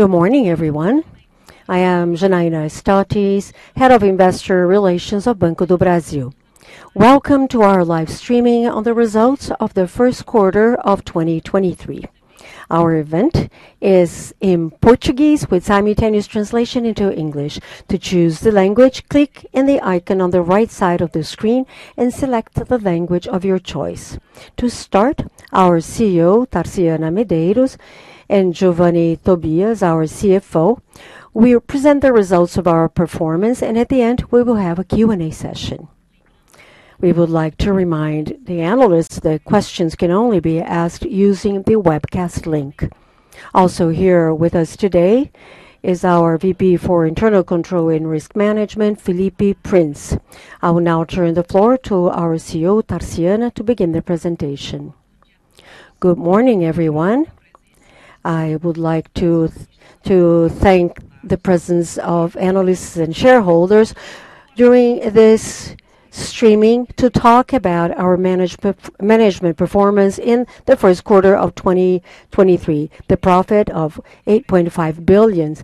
Good morning, everyone. I am Janaína Storti, Head of Investor Relations of Banco do Brasil. Welcome to our live streaming on the results of the Q1 of 2023. Our event is in Portuguese with simultaneous translation into English. To choose the language, click in the icon on the right side of the screen and select the language of your choice. To start, our CEO, Tarciana Medeiros, and Geovanne Tobias, our CFO, will present the results of our performance, and at the end, we will have a Q&A session. We would like to remind the analysts that questions can only be asked using the webcast link. Also here with us today is our VP for Internal Control and Risk Management, Felipe Prince. I will now turn the floor to our CEO, Tarciana, to begin the presentation. Good morning, everyone. I would like to thank the presence of analysts and shareholders during this streaming to talk about our management performance in the Q1 of 2023. The profit of 8.5 billion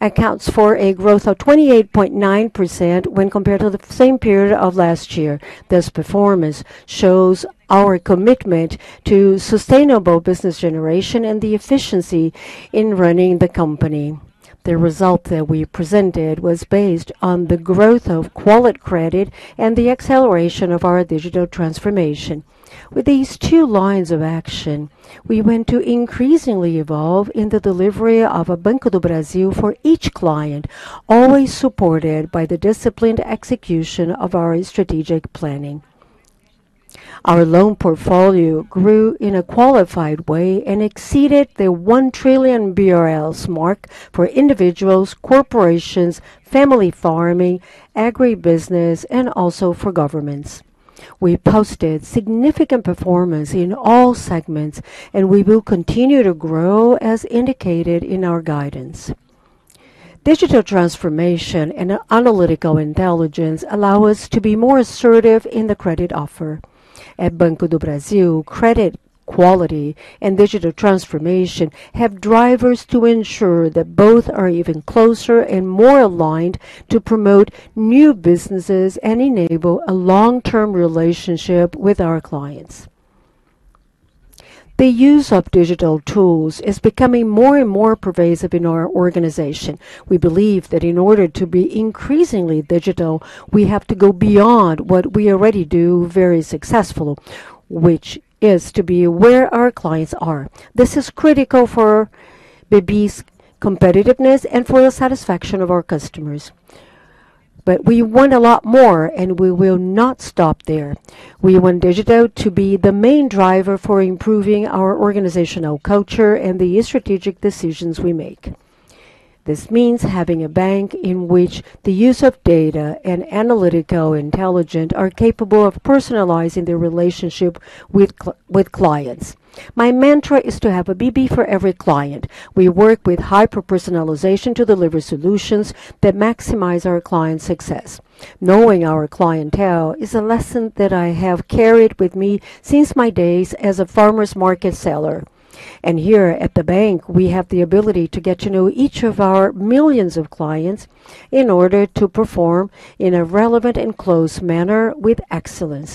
accounts for a growth of 28.9% when compared to the same period of last year. This performance shows our commitment to sustainable business generation and the efficiency in running the company. The result that we presented was based on the growth of quality credit and the acceleration of our digital transformation. With these two lines of action, we went to increasingly evolve in the delivery of a Banco do Brasil for each client, always supported by the disciplined execution of our strategic planning. Our loan portfolio grew in a qualified way and exceeded the 1 trillion BRL mark for individuals, corporations, family farming, agribusiness, and also for governments. We posted significant performance in all segments, and we will continue to grow as indicated in our guidance. Digital transformation and analytical intelligence allow us to be more assertive in the credit offer. At Banco do Brasil, credit quality and digital transformation have drivers to ensure that both are even closer and more aligned to promote new businesses and enable a long-term relationship with our clients. The use of digital tools is becoming more and more pervasive in our organization. We believe that in order to be increasingly digital, we have to go beyond what we already do very successful, which is to be where our clients are. This is critical for BB's competitiveness and for the satisfaction of our customers. But we want a lot more, and we will not stop there. We want digital to be the main driver for improving our organizational culture and the strategic decisions we make. This means having a bank in which the use of data and analytical intelligence are capable of personalizing their relationship with clients. My mantra is to have a BB for every client. We work with hyper-personalization to deliver solutions that maximize our clients' success. Knowing our clientele is a lesson that I have carried with me since my days as a Farmer’s Market Seller. Here at the bank, we have the ability to get to know each of our millions of clients in order to perform in a relevant and close manner with excellence.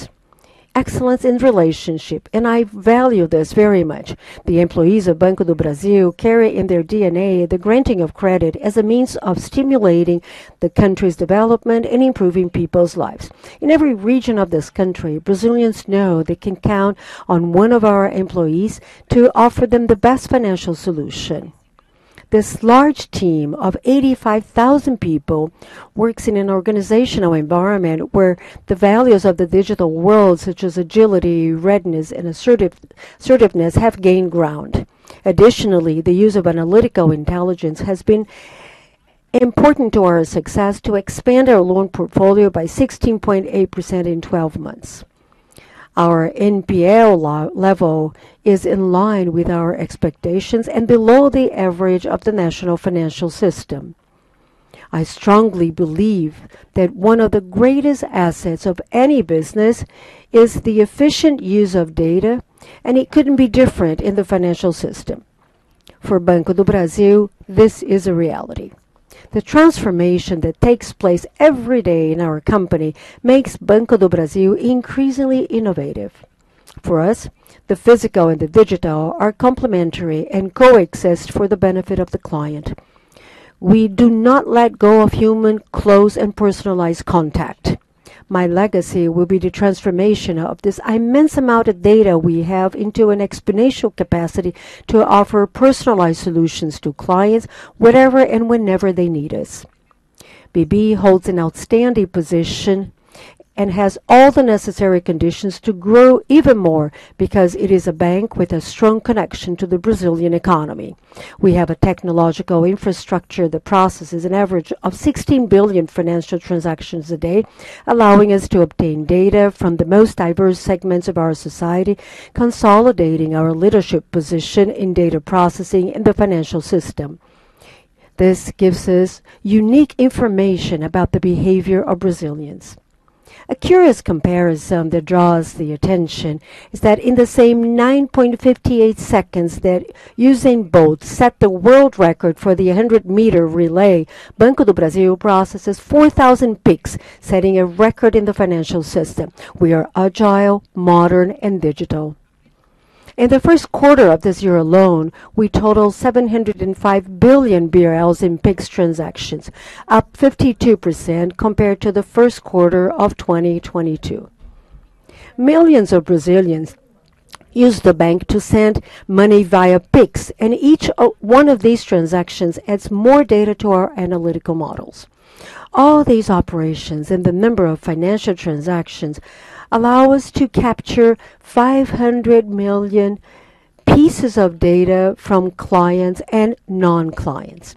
Excellence in relationship, and I value this very much. The employees of Banco do Brasil carry in their DNA the granting of credit as a means of stimulating the country's development and improving people's lives. In every region of this country, Brazilians know they can count on one of our employees to offer them the best financial solution. This large team of 85,000 people works in an organizational environment where the values of the digital world, such as agility, readiness, and assertiveness, have gained ground. Additionally, the use of analytical intelligence has been important to our success to expand our loan portfolio by 16.8% in 12 months. Our NPL level is in line with our expectations and below the average of the national financial system. I strongly believe that one of the greatest assets of any business is the efficient use of data, and it couldn't be different in the financial system. For Banco do Brasil, this is a reality. The transformation that takes place every day in our company makes Banco do Brasil increasingly innovative. For us, the physical and the digital are complementary and coexist for the benefit of the client. We do not let go of human close and personalized contact. My legacy will be the transformation of this immense amount of data we have into an exponential capacity to offer personalized solutions to clients wherever and whenever they need us. BB holds an outstanding position and has all the necessary conditions to grow even more because it is a bank with a strong connection to the Brazilian economy. We have a technological infrastructure that processes an average of 16 billion financial transactions a day, allowing us to obtain data from the most diverse segments of our society, consolidating our leadership position in data processing in the financial system. This gives us unique information about the behavior of Brazilians. A curious comparison that draws the attention is that in the same 9.58 seconds that Usain Bolt set the world record for the 100-meter relay, Banco do Brasil processes 4,000 Pix, setting a record in the financial system. We are agile, modern, and digital. In the Q1 of this year alone, we totaled 705 billion BRL in Pix transactions, up 52% compared to the Q1 of 2022. Millions of Brazilians use the bank to send money via Pix, and each one of these transactions adds more data to our analytical models. All these operations and the number of financial transactions allow us to capture 500 million pieces of data from clients and non-clients.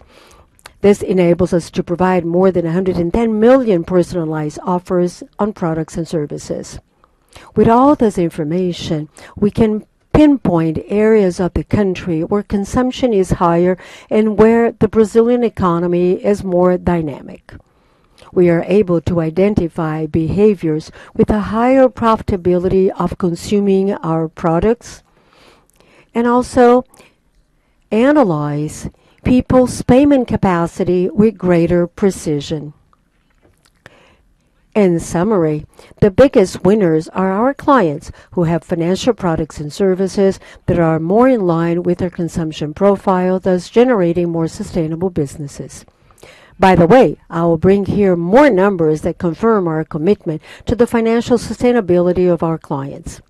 This enables us to provide more than 110 million personalized offers on products and services. With all this information, we can pinpoint areas of the country where consumption is higher and where the Brazilian economy is more dynamic. We are able to identify behaviors with a higher profitability of consuming our products, and also analyze people's payment capacity with greater precision. In summary, the biggest winners are our clients who have financial products and services that are more in line with their consumption profile, thus generating more sustainable businesses. I will bring here more numbers that confirm our commitment to the financial sustainability of our clients.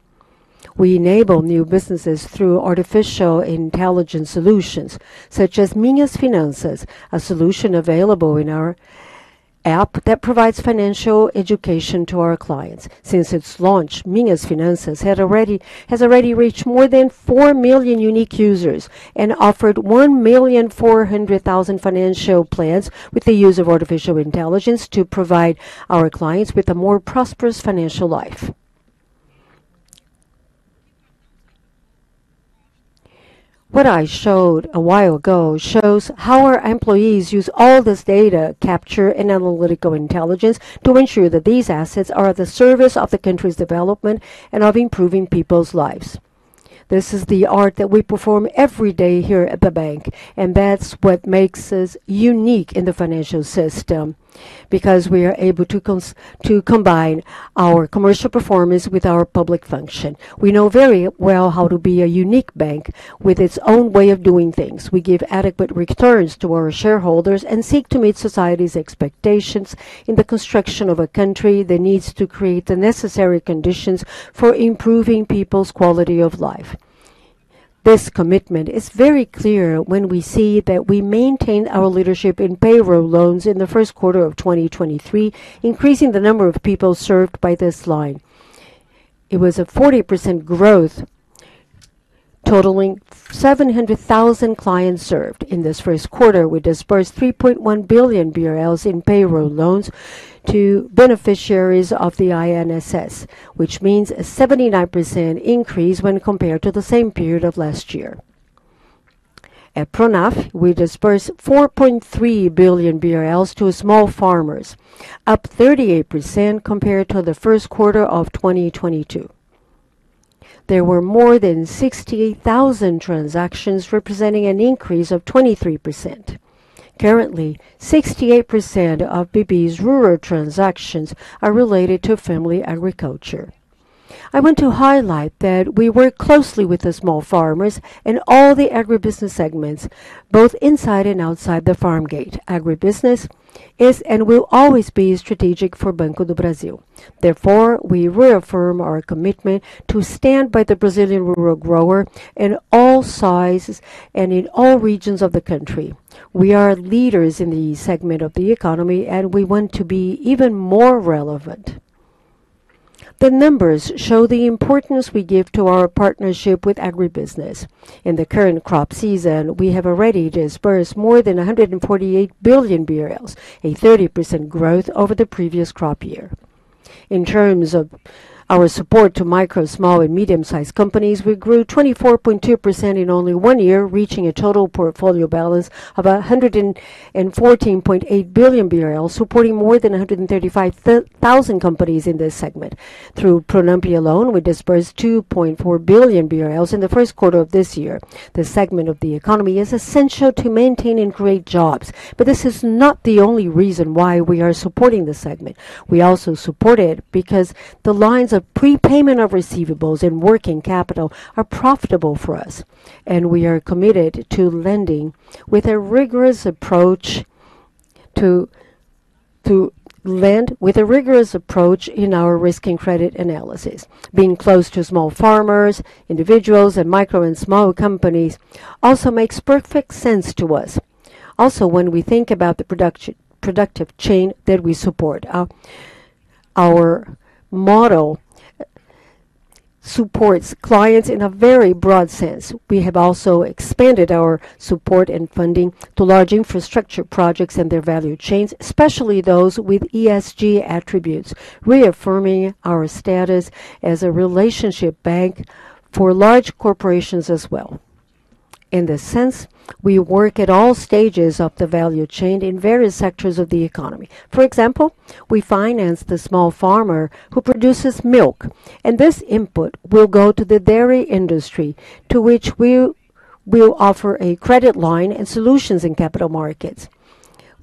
We enable new businesses through artificial intelligence solutions, such as Minhas Finanças, a solution available in our app that provides financial education to our clients. Since its launch, Minhas Finanças has already reached more than 4 million unique users and offered 1.4 million financial plans with the use of artificial intelligence to provide our clients with a more prosperous financial life. What I showed a while ago shows how our employees use all this data capture and analytical intelligence to ensure that these assets are at the service of the country's development and of improving people's lives. This is the art that we perform every day here at the bank, and that's what makes us unique in the financial system, because we are able to combine our commercial performance with our public function. We know very well how to be a unique bank with its own way of doing things. We give adequate returns to our shareholders and seek to meet society's expectations in the construction of a country that needs to create the necessary conditions for improving people's quality of life. This commitment is very clear when we see that we maintain our leadership in payroll loans in the Q1 of 2023, increasing the number of people served by this line. It was a 40% growth, totaling 700,000 clients served. In this Q1, we disbursed 3.1 billion BRL in payroll loans to beneficiaries of the INSS, which means a 79% increase when compared to the same period of last year. At PRONAF, we disbursed 4.3 billion BRL to small farmers, up 38% compared to the Q1 of 2022. There were more than 68,000 transactions representing an increase of 23%. Currently, 68% of BB's rural transactions are related to family agriculture. I want to highlight that we work closely with the small farmers in all the agribusiness segments, both inside and outside the farm gate. Agribusiness is and will always be strategic for Banco do Brasil. Therefore, we reaffirm our commitment to stand by the Brazilian rural grower in all sizes and in all regions of the country. We are leaders in the segment of the economy, and we want to be even more relevant. The numbers show the importance we give to our partnership with agribusiness. In the current crop season, we have already disbursed more than 148 billion BRL, a 30% growth over the previous crop year. In terms of our support to micro, small, and medium-sized companies, we grew 24.2% in only one year, reaching a total portfolio balance of 114.8 billion BRL, supporting more than 135,000 companies in this segment. Through Pronampe alone, we disbursed 2.4 billion BRL in the Q1 of this year. This segment of the economy is essential to maintain and create jobs, this is not the only reason why we are supporting this segment. We also support it because the lines of prepayment of receivables and working capital are profitable for us, we are committed to lend with a rigorous approach in our risk and credit analysis. Being close to small farmers, individuals, and micro and small companies also makes perfect sense to us. When we think about the productive chain that we support. Our model supports clients in a very broad sense. We have also expanded our support and funding to large infrastructure projects and their value chains, especially those with ESG attributes, reaffirming our status as a relationship bank for large corporations as well. In this sense, we work at all stages of the value chain in various sectors of the economy. For example, we finance the small farmer who produces milk, this input will go to the dairy industry, to which we will offer a credit line and solutions in capital markets.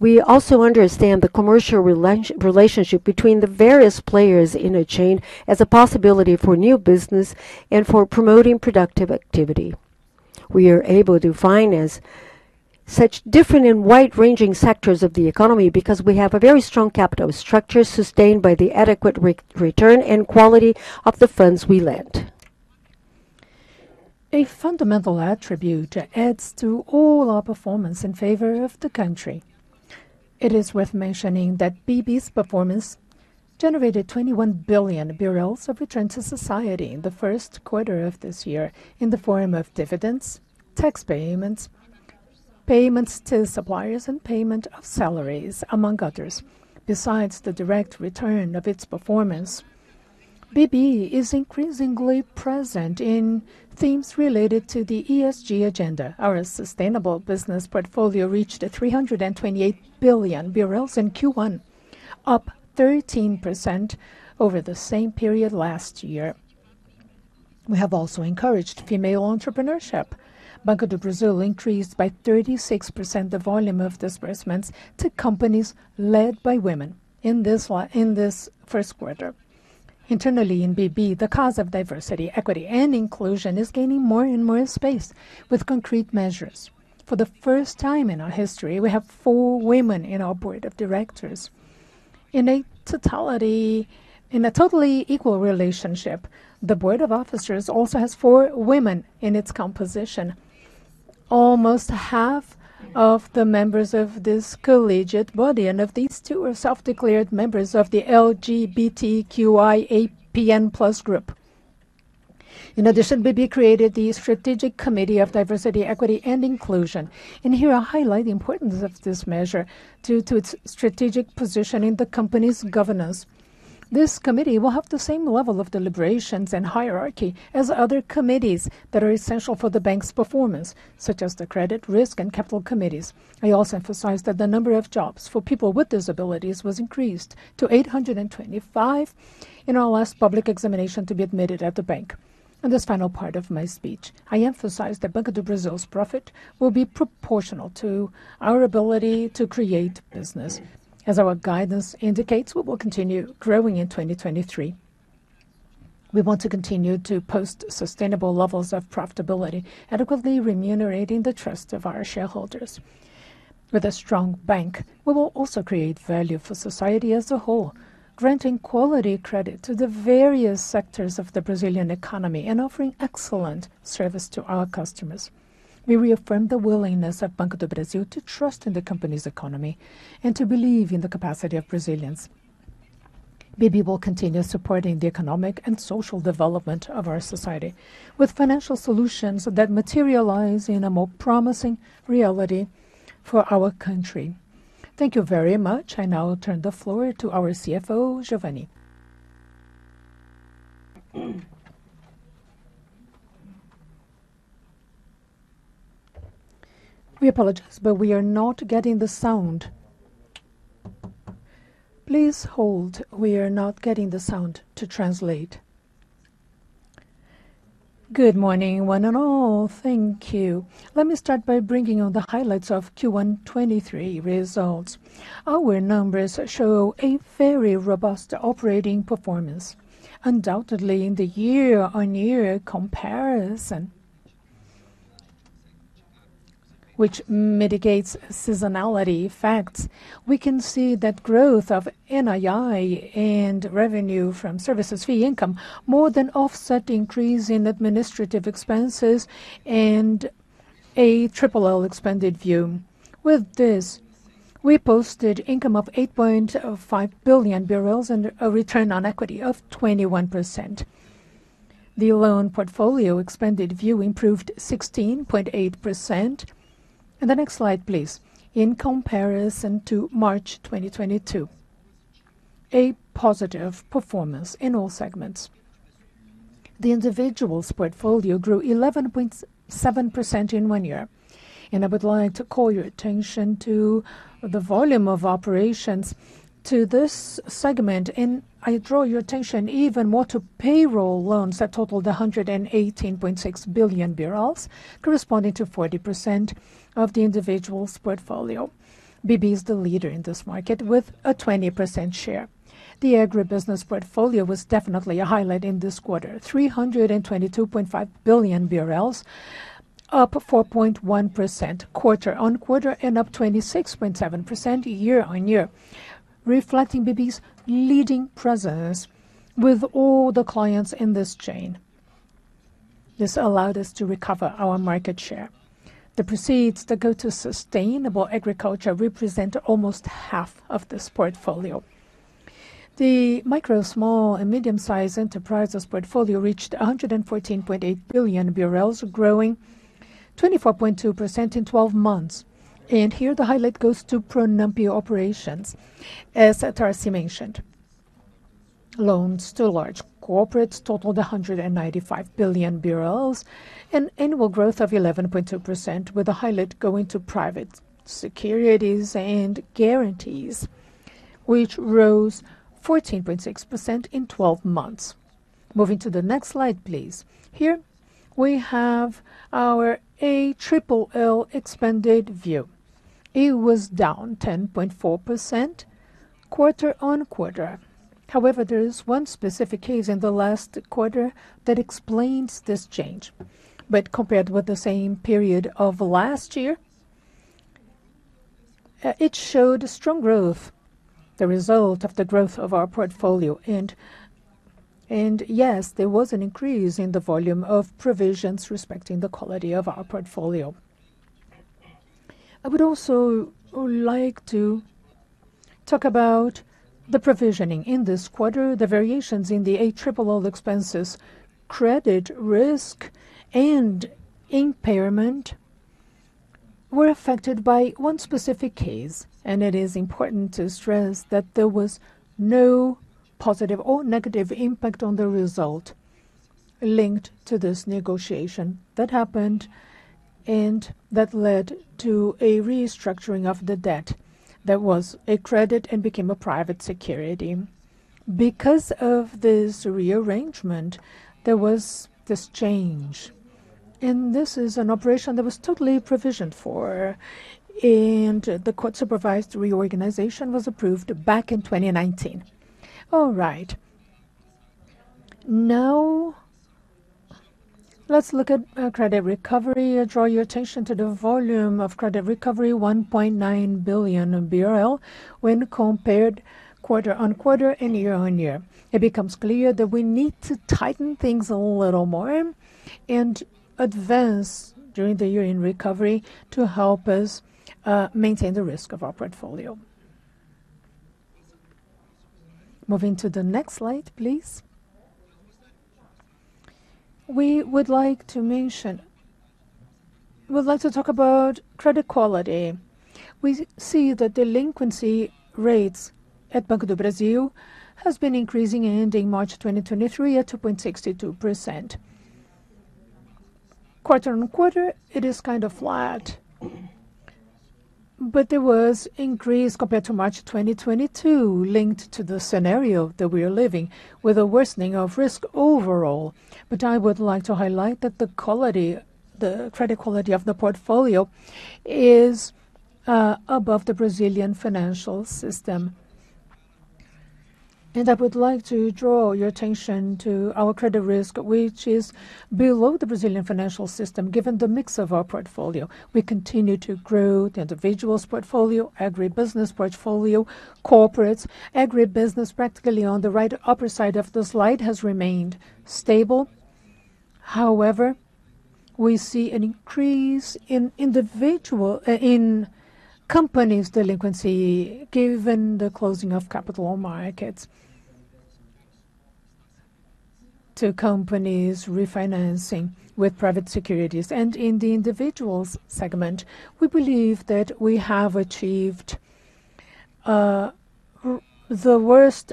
We also understand the commercial relationship between the various players in a chain as a possibility for new business and for promoting productive activity. We are able to finance such different and wide-ranging sectors of the economy because we have a very strong capital structure sustained by the adequate return and quality of the funds we lend. A fundamental attribute adds to all our performance in favor of the country. It is worth mentioning that BB's performance generated 21 billion BRL of return to society in the Q1 of this year in the form of dividends, tax payments to suppliers, and payment of salaries, among others. Besides the direct return of its performance, BB is increasingly present in themes related to the ESG agenda. Our sustainable business portfolio reached 328 billion BRL in Q1, up 13% over the same period last year. We have also encouraged female entrepreneurship. Banco do Brasil increased by 36% the volume of disbursements to companies led by women in this Q1. Internally in BB, the cause of Diversity, Equity, and Inclusion is gaining more and more space with concrete measures. For the first time in our history, we have four women in our board of directors. In a totality... in a totally equal relationship, the board of officers also has four women in its composition, almost half of the members of this collegiate body, and of these, two are self-declared members of the LGBTQIAPN+ group. In addition, BB created the Strategic Committee of Diversity, Equity and Inclusion, and here I highlight the importance of this measure due to its strategic position in the company's governance. This committee will have the same level of deliberations and hierarchy as other committees that are essential for the bank's performance, such as the credit, risk, and capital committees. I also emphasize that the number of jobs for people with disabilities was increased to 825 in our last public examination to be admitted at the bank. In this final part of my speech, I emphasize that Banco do Brasil's profit will be proportional to our ability to create business. As our guidance indicates, we will continue growing in 2023. We want to continue to post sustainable levels of profitability, adequately remunerating the trust of our shareholders. With a strong bank, we will also create value for society as a whole, granting quality credit to the various sectors of the Brazilian economy and offering excellent service to our customers. We reaffirm the willingness of Banco do Brasil to trust in the company's economy and to believe in the capacity of Brazilians. BB will continue supporting the economic and social development of our society with financial solutions that materialize in a more promising reality for our country. Thank you very much. I now turn the floor to our CFO, Geovanne. We apologize, we are not getting the sound. Please hold. We are not getting the sound to translate. Good morning, one and all. Thank you. Let me start by bringing on the highlights of Q1 2023 results. Our numbers show a very robust operating performance, undoubtedly in the year-on-year comparison, which mitigates seasonality effects. We can see that growth of NII and revenue from services fee income more than offset increase in administrative expenses and a triple expanded view. With this, we posted income of 8.5 billion BRL and a return on equity of 21%. The loan portfolio expanded view improved 16.8%. The next slide, please. In comparison to March 2022, a positive performance in all segments. Individuals Portfolio grew 11.7% in one year, and I would like to call your attention to the volume of operations to this segment. I draw your attention even more to payroll loans that totaled 118.6 billion, corresponding to 40% of the Individuals Portfolio. BB is the leader in this market with a 20% share. The Agribusiness Portfolio was definitely a highlight in this quarter. 322.5 billion BRL, up 4.1% quarter-on-quarter and up 26.7% year-on-year, reflecting BB's leading presence with all the clients in this chain. This allowed us to recover our market share. The proceeds that go to Sustainable Agriculture represent almost half of this portfolio. The Micro, Small, and Medium-Sized Enterprises Portfolio reached 114.8 billion, growing 24.2% in 12 months. Here the highlight goes to Pronampe operations, as Tarciana mentioned. Loans to large corporates totaled 195 billion BRL, an annual growth of 11.2%, with the highlight going to private securities and guarantees, which rose 14.6% in 12 months. Moving to the next slide, please. Here we have our ALL expanded view. It was down 10.4% quarter-on-quarter. However, there is one specific case in the last quarter that explains this change. Compared with the same period of last year, it showed strong growth, the result of the growth of our portfolio. Yes, there was an increase in the volume of provisions respecting the quality of our portfolio. I would also like to talk about the provisioning. In this quarter, the variations in the ALL expenses, credit risk and impairment were affected by one specific case. It is important to stress that there was no positive or negative impact on the result linked to this negotiation that happened, and that led to a restructuring of the debt that was a credit and became a private security. Because of this rearrangement, there was this change. This is an operation that was totally provisioned for, and the court-supervised reorganization was approved back in 2019. All right. Now let's look at credit recovery. I draw your attention to the volume of credit recovery, 1.9 billion BRL. When compared quarter-on-quarter and year-on-year, it becomes clear that we need to tighten things a little more and advance during the year in recovery to help us maintain the risk of our portfolio. Moving to the next slide, please. We would like to talk about credit quality. We see that delinquency rates at Banco do Brasil has been increasing, ending March 2023 at 2.62%. Quarter-on-quarter, it is kind of flat, but there was increase compared to March 2022 linked to the scenario that we are living with a worsening of risk overall. I would like to highlight that the quality, the credit quality of the portfolio is above the Brazilian financial system. I would like to draw your attention to our credit risk, which is below the Brazilian financial system, given the mix of our portfolio. We continue to grow the Individuals Portfolio, Agribusiness Portfolio, corporates. Agribusiness, practically on the right upper side of the slide, has remained stable. However, we see an increase in companies' delinquency given the closing of capital markets to companies refinancing with private securities. In the individuals segment, we believe that we have achieved the worst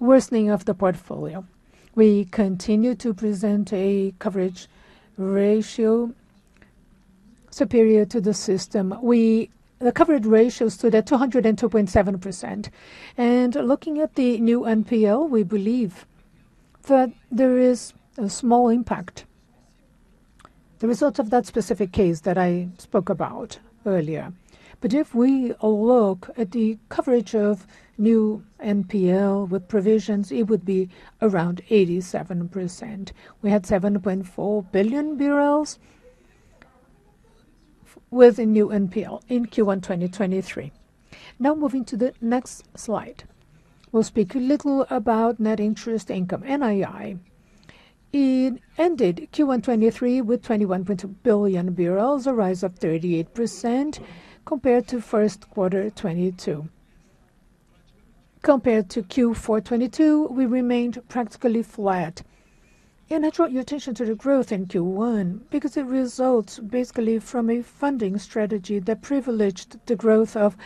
worsening of the portfolio. We continue to present a coverage ratio superior to the system. The coverage ratios stood at 202.7%. Looking at the new NPL, we believe that there is a small impact, the results of that specific case that I spoke about earlier. If we look at the coverage of new NPL with provisions, it would be around 87%. We had 7.4 billion BRL with a new NPL in Q1 2023. Moving to the next slide. We'll speak a little about net interest income, NII. It ended Q1 2023 with 21.2 billion, a rise of 38% compared to Q1 2022. Compared to Q4 2022, we remained practically flat. I draw your attention to the growth in Q1 because it results basically from a funding strategy that privileged the growth of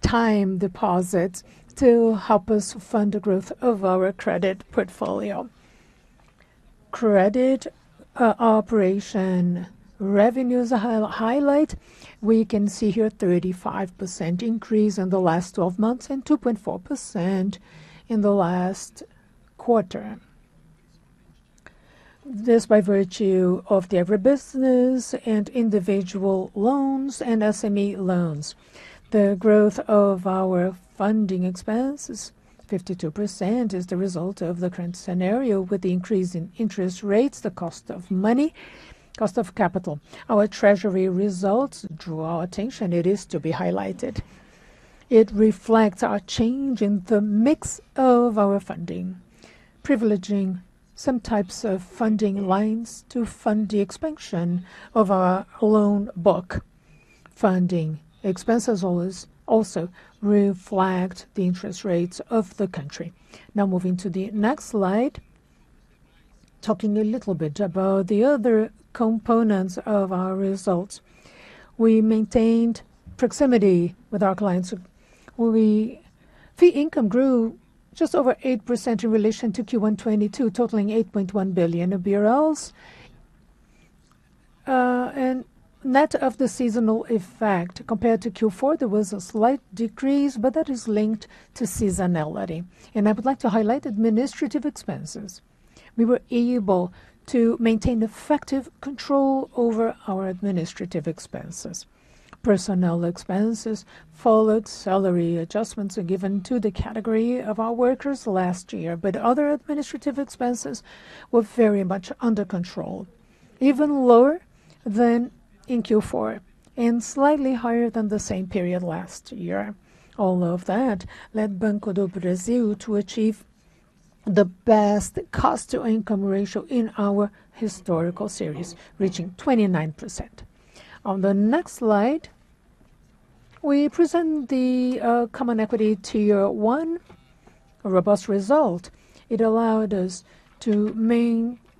time deposits to help us fund the growth of our credit portfolio. Credit operation revenues highlight, we can see here 35% increase in the last 12 months and 2.4% in the last quarter. This by virtue of the agribusiness and individual loans and SME loans. The growth of our funding expenses, 52%, is the result of the current scenario with the increase in interest rates, the cost of money, cost of capital. Our treasury results draw our attention. It is to be highlighted. It reflects our change in the mix of our funding, privileging some types of funding lines to fund the expansion of our loan book. Funding expenses always also reflect the interest rates of the country. Now moving to the next slide. Talking a little bit about the other components of our results. We maintained proximity with our clients. Fee income grew just over 8% in relation to Q1 2022, totaling 8.1 billion. Net of the seasonal effect compared to Q4, there was a slight decrease, but that is linked to seasonality. I would like to highlight administrative expenses. We were able to maintain effective control over our administrative expenses. Personnel expenses followed. Salary adjustments were given to the category of our workers last year, other administrative expenses were very much under control, even lower than in Q4, and slightly higher than the same period last year. All of that led Banco do Brasil to achieve the best cost-to-income ratio in our historical series, reaching 29%. On the next slide, we present the Common Equity Tier 1 robust result. It allowed us to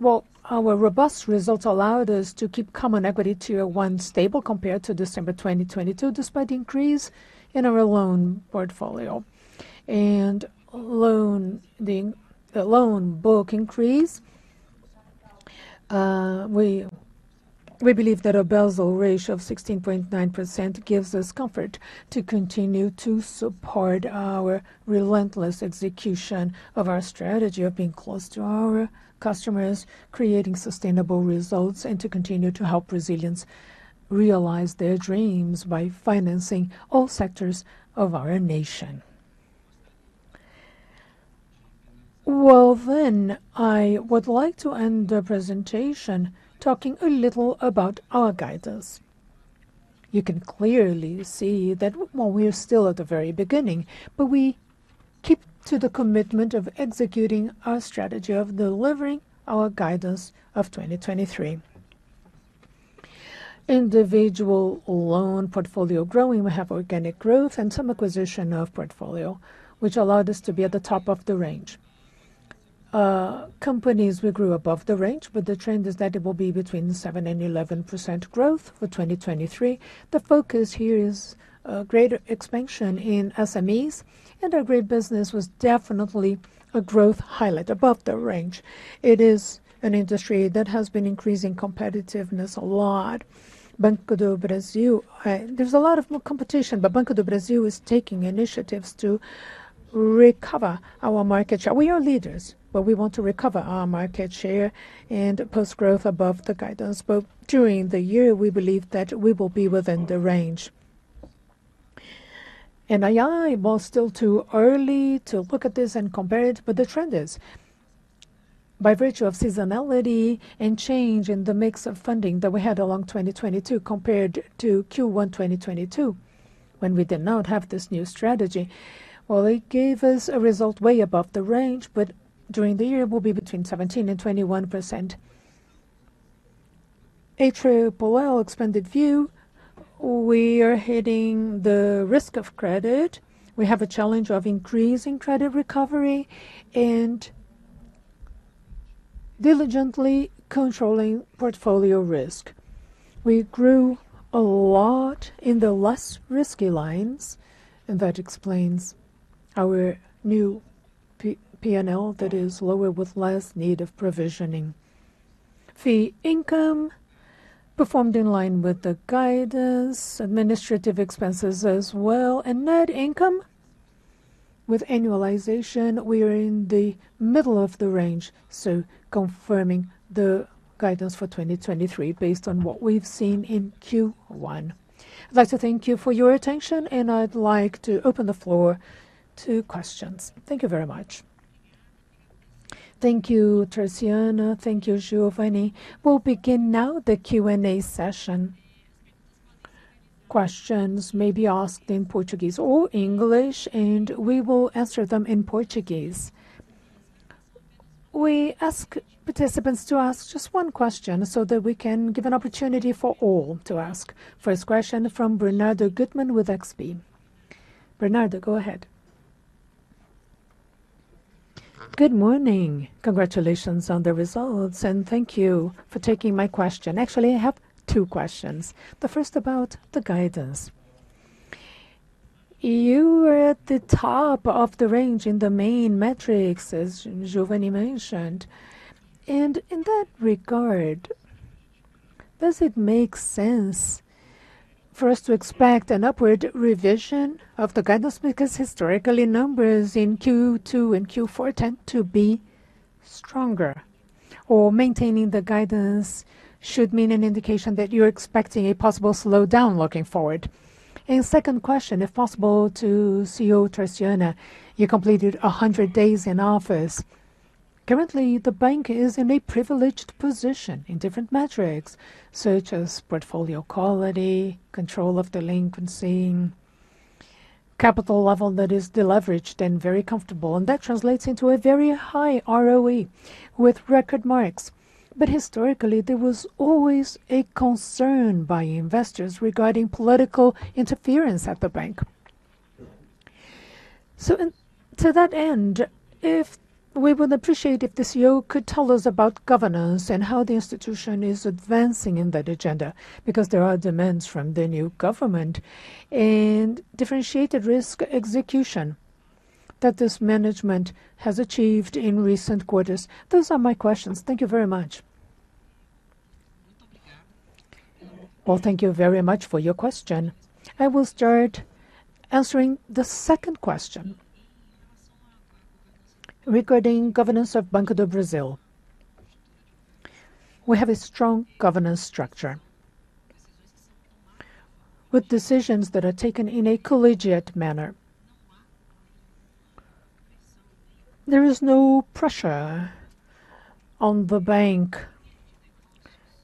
Well, our robust results allowed us to keep Common Equity Tier 1 stable compared to December 2022, despite the increase in our loan portfolio. Loan, the loan book increase, we believe that a Basel ratio of 16.9% gives us comfort to continue to support our relentless execution of our strategy of being close to our customers, creating sustainable results, and to continue to help Brazilians realize their dreams by financing all sectors of our nation. Well, I would like to end the presentation talking a little about our guidance. You can clearly see that, well, we are still at the very beginning, but we keep to the commitment of executing our strategy of delivering our guidance of 2023. Individual loan portfolio growing. We have organic growth and some acquisition of portfolio, which allowed us to be at the top of the range. Companies, we grew above the range, but the trend is that it will be between 7% and 11% growth for 2023. The focus here is, greater expansion in SMEs, and agribusiness was definitely a growth highlight above the range. It is an industry that has been increasing competitiveness a lot. Banco do Brasil, there's a lot of more competition, but Banco do Brasil is taking initiatives to recover our market share. We are leaders, but we want to recover our market share and post growth above the guidance. During the year, we believe that we will be within the range. NII, well, still too early to look at this and compare it. The trend is, by virtue of seasonality and change in the mix of funding that we had along 2022 compared to Q1 2022, when we did not have this new strategy, well, it gave us a result way above the range. During the year will be between 17% and 21%. Atrio Powell expanded view, we are hitting the risk of credit. We have a challenge of increasing credit recovery and diligently controlling portfolio risk. We grew a lot in the less risky lines. That explains our new P&L that is lower with less need of provisioning. Fee income performed in line with the guidance, administrative expenses as well, and net income with annualization, we are in the middle of the range, so confirming the guidance for 2023 based on what we've seen in Q1. I'd like to thank you for your attention, and I'd like to open the floor to questions. Thank you very much. Thank you, Tarciana Medeiros. Thank you, Geovanne Tobias. We'll begin now the Q&A session. Questions may be asked in Portuguese or English, and we will answer them in Portuguese. We ask participants to ask just one question so that we can give an opportunity for all to ask. First question from Bernardo Guttmann with XP. Bernardo, go ahead. Good morning. Congratulations on the results, and thank you for taking my question. Actually, I have two questions. The first about the guidance. You were at the top of the range in the main metrics, as Giovani mentioned. In that regard, does it make sense for us to expect an upward revision of the guidance because historically numbers in Q2 and Q4 tend to be stronger? Maintaining the guidance should mean an indication that you're expecting a possible slowdown looking forward? Second question, if possible, to CEO Tarciana. You completed 100 days in office. Currently, the bank is in a privileged position in different metrics, such as portfolio quality, control of delinquency, capital level that is deleveraged and very comfortable, and that translates into a very high ROE with record marks. Historically, there was always a concern by investors regarding political interference at the bank. To that end, we would appreciate if the CEO could tell us about governance and how the institution is advancing in that agenda, because there are demands from the new government, and differentiated risk execution that this management has achieved in recent quarters. Those are my questions. Thank you very much. Well, thank you very much for your question. I will start answering the second question regarding governance of Banco do Brasil. We have a strong governance structure with decisions that are taken in a collegiate manner. There is no pressure on the bank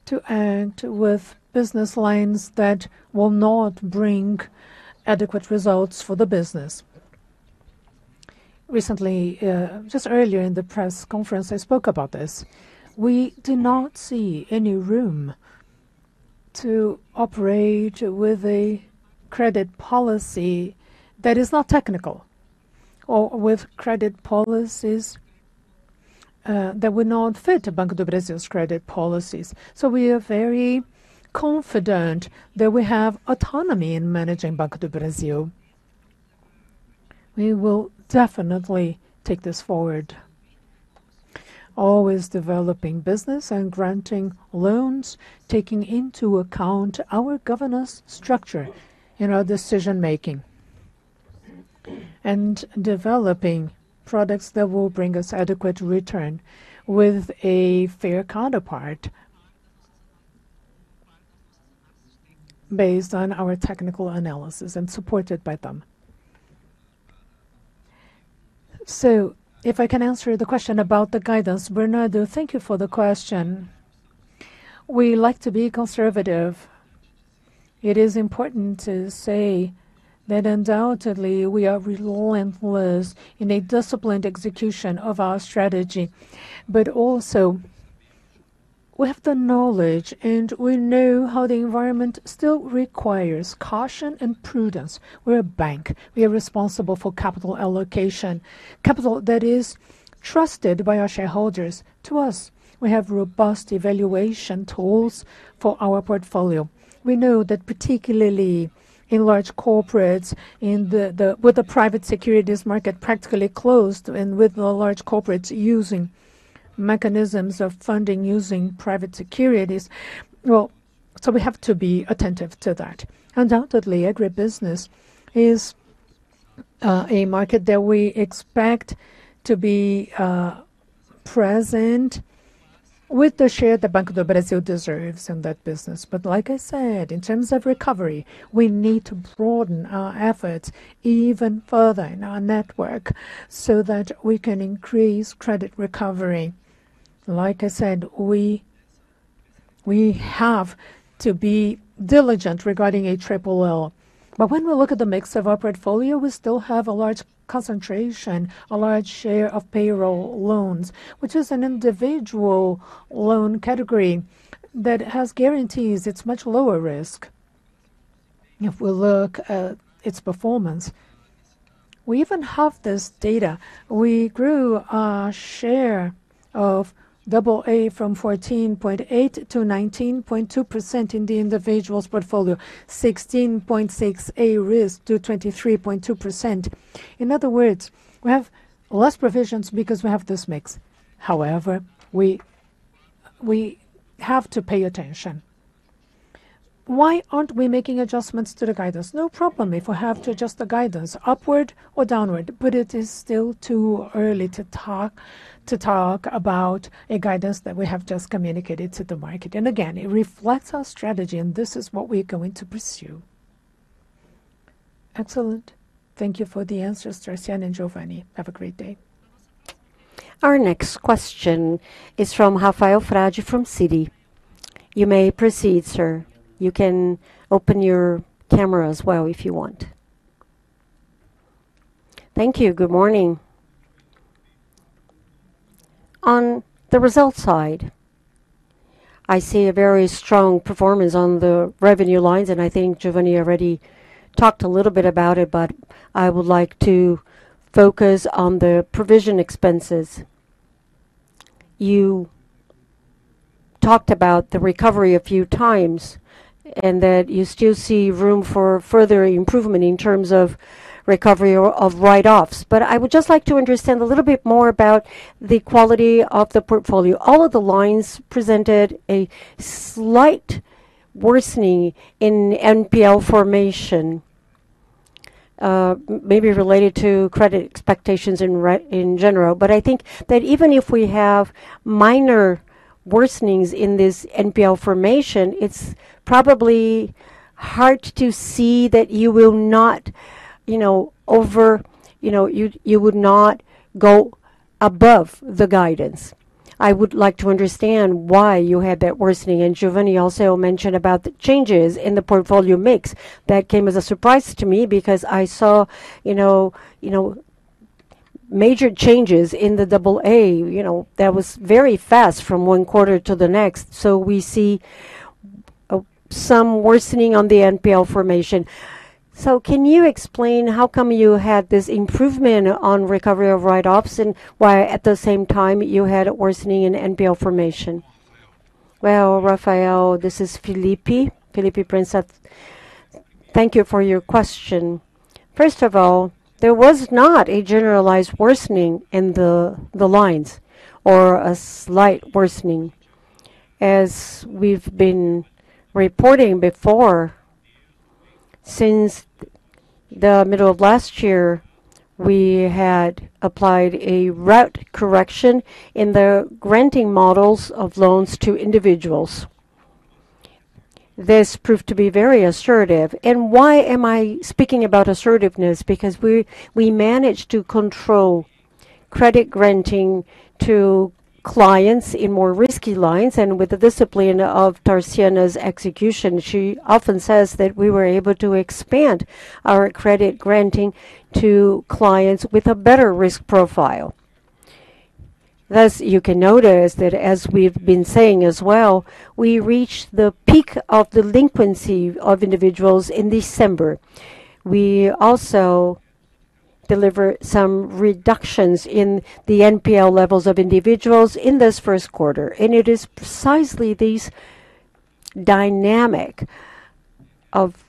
to act with business lines that will not bring adequate results for the business. Recently, just earlier in the press conference, I spoke about this. We do not see any room to operate with a credit policy that is not technical or with credit policies that would not fit Banco do Brasil's credit policies. We are very confident that we have autonomy in managing Banco do Brasil. We will definitely take this forward, always developing business and granting loans, taking into account our governance structure in our decision-making, and developing products that will bring us adequate return with a fair counterpart based on our technical analysis and supported by them. If I can answer the question about the guidance, Bernardo, thank you for the question. We like to be conservative. It is important to say that undoubtedly we are relentless in a disciplined execution of our strategy, but also we have the knowledge, and we know how the environment still requires caution and prudence. We're a bank. We are responsible for capital allocation, capital that is trusted by our shareholders. To us, we have robust evaluation tools for our portfolio. We know that particularly in large corporates, with the private securities market practically closed and with the large corporates using mechanisms of funding using private securities, we have to be attentive to that. Undoubtedly, agribusiness is a market that we expect to be present with the share that Banco do Brasil deserves in that business. Like I said, in terms of recovery, we need to broaden our efforts even further in our network so that we can increase credit recovery. Like I said, we have to be diligent regarding ALL. When we look at the mix of our portfolio, we still have a large concentration, a large share of payroll loans, which is an individual loan category that has guarantees it's much lower risk if we look at its performance. We even have this data. We grew our share of AA from 14.8 to 19.2% in the Individuals Portfolio, 16.6 A risk to 23.2%. In other words, we have less provisions because we have this mix. We have to pay attention. Why aren't we making adjustments to the guidance? No problem if we have to adjust the guidance upward or downward, it is still too early to talk about a guidance that we have just communicated to the market. Again, it reflects our strategy, and this is what we're going to pursue. Excellent. Thank you for the answers, Tarciana and Giovani. Have a great day. Our next question is from Rafael Frade from Citi. You may proceed, sir. You can open your camera as well if you want. Thank you. Good morning. On the result side, I see a very strong performance on the revenue lines, I think Giovani already talked a little bit about it, I would like to focus on the provision expenses. You talked about the recovery a few times and that you still see room for further improvement in terms of recovery or of write-offs. I would just like to understand a little bit more about the quality of the portfolio. All of the lines presented a slight worsening in NPL formation, maybe related to credit expectations in general. I think that even if we have minor worsenings in this NPL formation, it's probably hard to see that you will not, you know, over, you would not go above the guidance. I would like to understand why you had that worsening. Giovani also mentioned about the changes in the portfolio mix. That came as a surprise to me because I saw, you know, Major changes in the AA, you know, that was very fast from 1 quarter to the next. We see some worsening on the NPL formation. Can you explain how come you had this improvement on recovery of write-offs, and why at the same time you had a worsening in NPL formation? Well, Rafael, this is Felipe. Felipe Prince. Thank you for your question. First of all, there was not a generalized worsening in the lines or a slight worsening. As we've been reporting before, since the middle of last year, we had applied a route correction in the granting models of loans to individuals. This proved to be very assertive. Why am I speaking about assertiveness? We managed to control credit granting to clients in more risky lines and with the discipline of Tarciana's execution, she often says that we were able to expand our credit granting to clients with a better risk profile. You can notice that as we've been saying as well, we reached the peak of delinquency of individuals in December. We also deliver some reductions in the NPL levels of individuals in this Q1, and it is precisely this dynamic of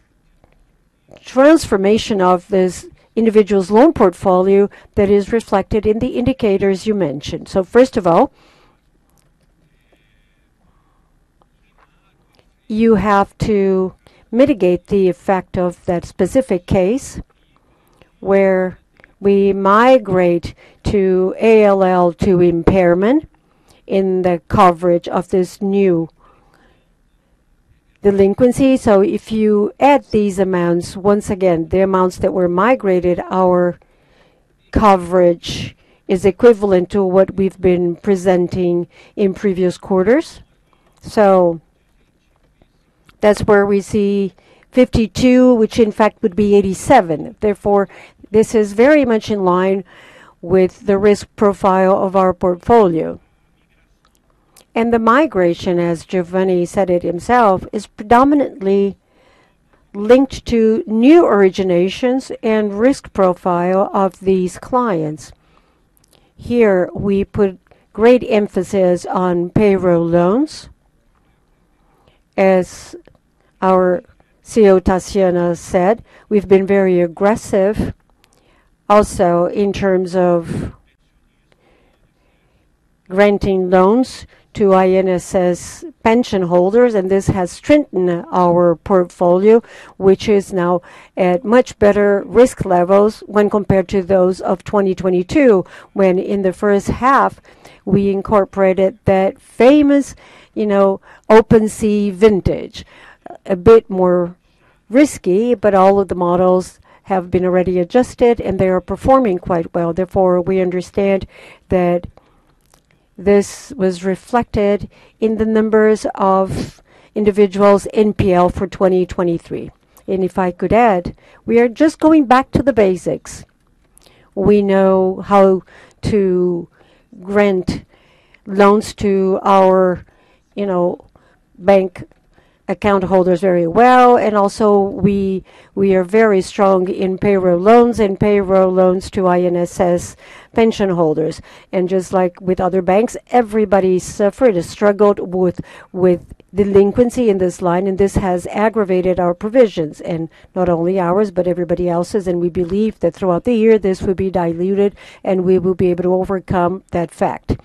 transformation of this individual's loan portfolio that is reflected in the indicators you mentioned. First of all, you have to mitigate the effect of that specific case where we migrate to ALL to impairment in the coverage of this new delinquency. If you add these amounts, once again, the amounts that were migrated, our coverage is equivalent to what we've been presenting in previous quarters. That's where we see 52, which in fact would be 87. This is very much in line with the risk profile of our portfolio. The migration, as Giovani said it himself, is predominantly linked to new originations and risk profile of these clients. Here, we put great emphasis on payroll loans. As our CEO Tarciana said, we've been very aggressive also in terms of granting loans to INSS pension holders, and this has strengthened our portfolio, which is now at much better risk levels when compared to those of 2022, when in the first half, we incorporated that famous, you know, open sea vintage. A bit more risky, but all of the models have been already adjusted, and they are performing quite well. We understand that this was reflected in the numbers of individuals NPL for 2023. If I could add, we are just going back to the basics. We know how to grant loans to our, you know, bank account holders very well and also we are very strong in payroll loans and payroll loans to INSS pension holders. Just like with other banks, everybody suffered and struggled with delinquency in this line, and this has aggravated our provisions, and not only ours, but everybody else's. We believe that throughout the year, this will be diluted, and we will be able to overcome that fact.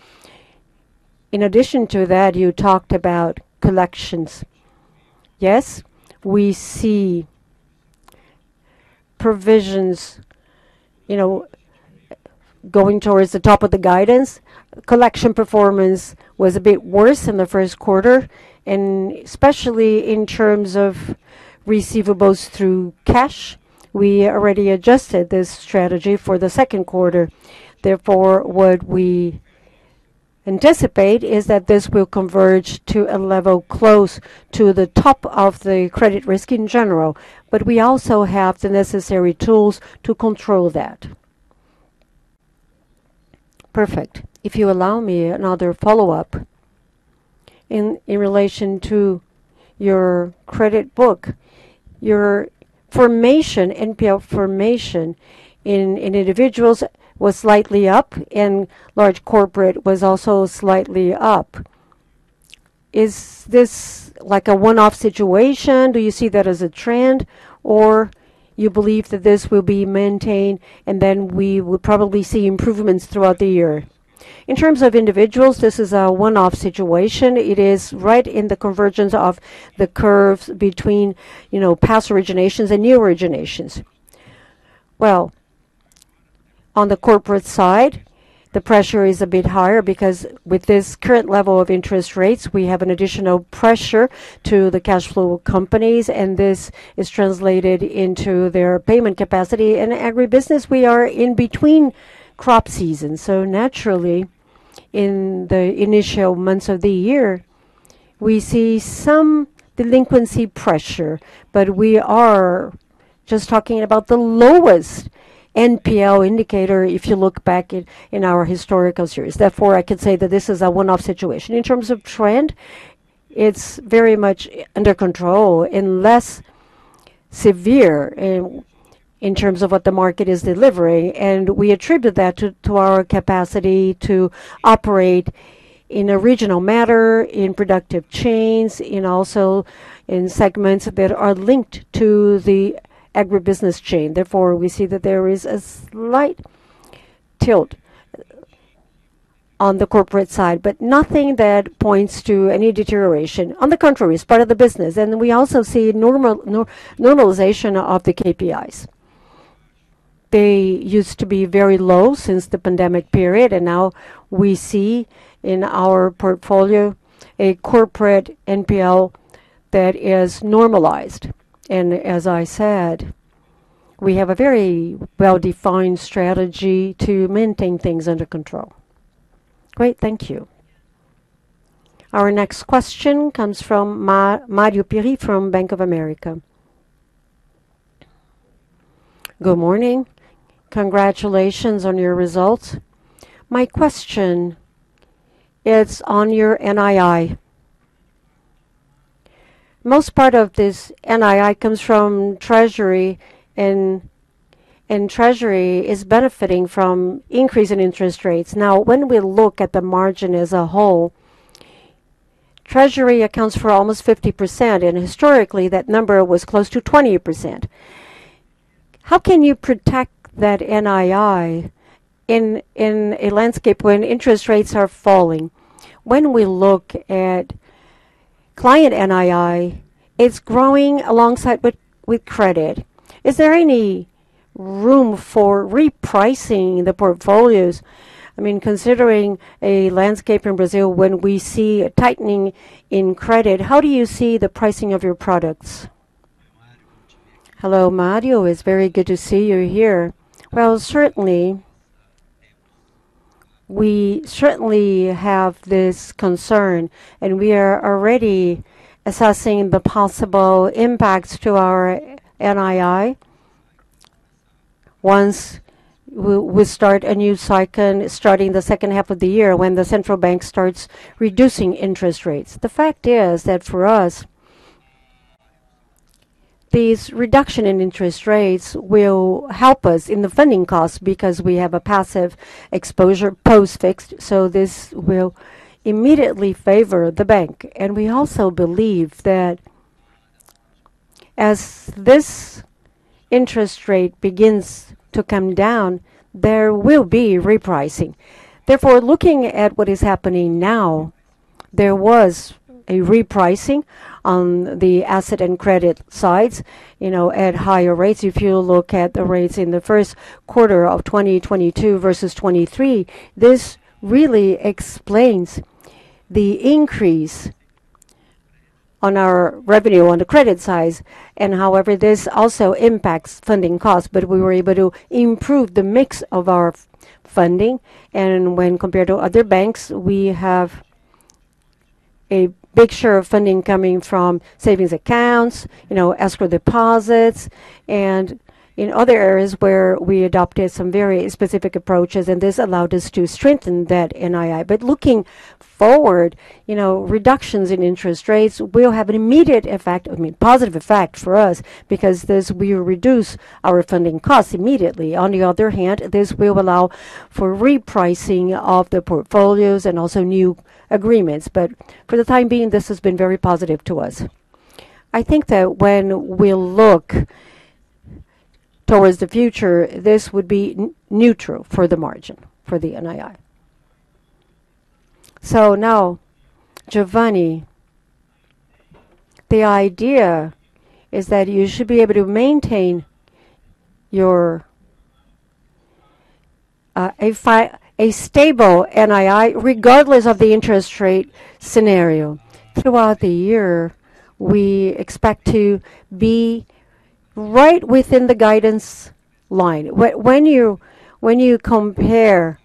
In addition to that, you talked about collections. Yes, we see provisions, you know, going towards the top of the guidance. Collection performance was a bit worse in the Q1, and especially in terms of receivables through cash. We already adjusted this strategy for the Q2 Therefore, what we anticipate is that this will converge to a level close to the top of the credit risk in general, but we also have the necessary tools to control that. Perfect. If you allow me another follow-up in relation to your credit book. Your formation, NPL formation in individuals was slightly up and large corporate was also slightly up. Is this like a one-off situation? Do you see that as a trend, or you believe that this will be maintained, and then we will probably see improvements throughout the year? In terms of individuals, this is a one-off situation. It is right in the convergence of the curves between, you know, past originations and new originations. Well, on the corporate side, the pressure is a bit higher because with this current level of interest rates, we have an additional pressure to the cash flow companies, and this is translated into their payment capacity. In agribusiness, we are in between crop seasons. Naturally, in the initial months of the year. We see some delinquency pressure, but we are just talking about the lowest NPL indicator if you look back in our historical series. Therefore, I could say that this is a one-off situation. In terms of trend, it's very much under control and less severe in terms of what the market is delivering, and we attribute that to our capacity to operate in a regional manner, in productive chains, in also in segments that are linked to the agribusiness chain. We see that there is a slight tilt on the corporate side, nothing that points to any deterioration. On the contrary, it's part of the business. We also see normalization of the KPIs. They used to be very low since the pandemic period. Now we see in our portfolio a corporate NPL that is normalized. As I said, we have a very well-defined strategy to maintain things under control. Great. Thank you. Our next question comes from Mario Pierry from Bank of America. Good morning. Congratulations on your results. My question is on your NII. Most part of this NII comes from Treasury, and Treasury is benefiting from increase in interest rates. Now, when we look at the margin as a whole, Treasury accounts for almost 50%, and historically, that number was close to 20%. How can you protect that NII in a landscape when interest rates are falling? When we look at client NII, it's growing alongside but with credit. Is there any room for repricing the portfolios? I mean, considering a landscape in Brazil when we see a tightening in credit, how do you see the pricing of your products? Hello, Mario. It's very good to see you here. Well, certainly, we certainly have this concern. We are already assessing the possible impacts to our NII once we start a new cycle starting the second half of the year when the central bank starts reducing interest rates. The fact is that for us, these reduction in interest rates will help us in the funding cost because we have a passive exposure post fixed, so this will immediately favor the bank. We also believe that as this interest rate begins to come down, there will be repricing. Therefore, looking at what is happening now, there was a repricing on the asset and credit sides, you know, at higher rates. If you look at the rates in the Q1 of 2022 versus 2023, this really explains the increase on our revenue on the credit size. However, this also impacts funding costs. We were able to improve the mix of our funding. When compared to other banks, we have a big share of funding coming from savings accounts, you know, escrow deposits, and in other areas where we adopted some very specific approaches, and this allowed us to strengthen that NII. Looking forward, you know, reductions in interest rates will have an immediate effect, I mean, positive effect for us because this will reduce our funding costs immediately. On the other hand, this will allow for repricing of the portfolios and also new agreements. For the time being, this has been very positive to us. I think that when we look towards the future, this would be neutral for the margin, for the NII. Now, Geovanne, the idea is that you should be able to maintain your a stable NII regardless of the interest rate scenario. Throughout the year, we expect to be right within the guidance line. When you compare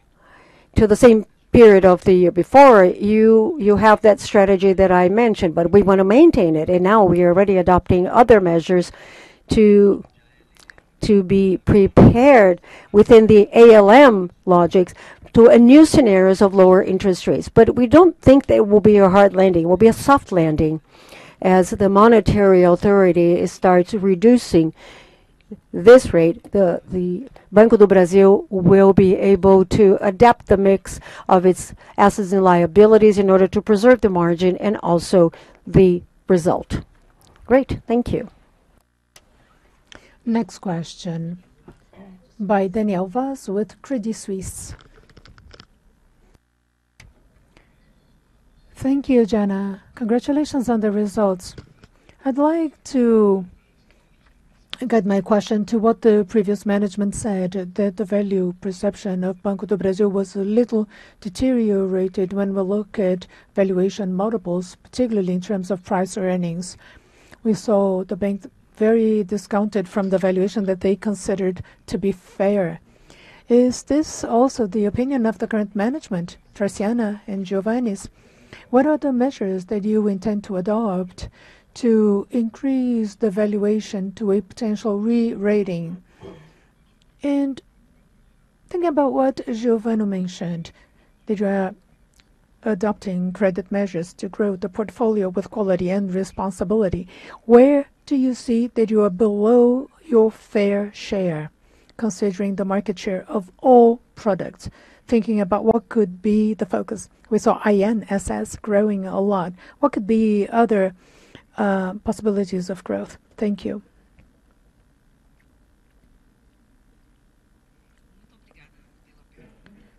to the same period of the year before, you have that strategy that I mentioned, but we wanna maintain it. Now we are already adopting other measures to be prepared within the ALM logics to a new scenarios of lower interest rates. We don't think there will be a hard landing. It will be a soft landing. As the monetary authority starts reducing this rate, the Banco do Brasil will be able to adapt the mix of its assets and liabilities in order to preserve the margin and also the result. Great. Thank you. Next question by Daniel Vaz with Credit Suisse. Thank you, Jana. Congratulations on the results. I'd like to guide my question to what the previous management said, that the value perception of Banco do Brasil was a little deteriorated when we look at valuation multiples, particularly in terms of price-earnings. We saw the bank very discounted from the valuation that they considered to be fair. Is this also the opinion of the current management, Tarciana and Giovani? What are the measures that you intend to adopt to increase the valuation to a potential re-rating? Thinking about what Giovani mentioned, that you are adopting credit measures to grow the portfolio with quality and responsibility, where do you see that you are below your fair share, considering the market share of all products? Thinking about what could be the focus. We saw INSS growing a lot. What could be other possibilities of growth? Thank you.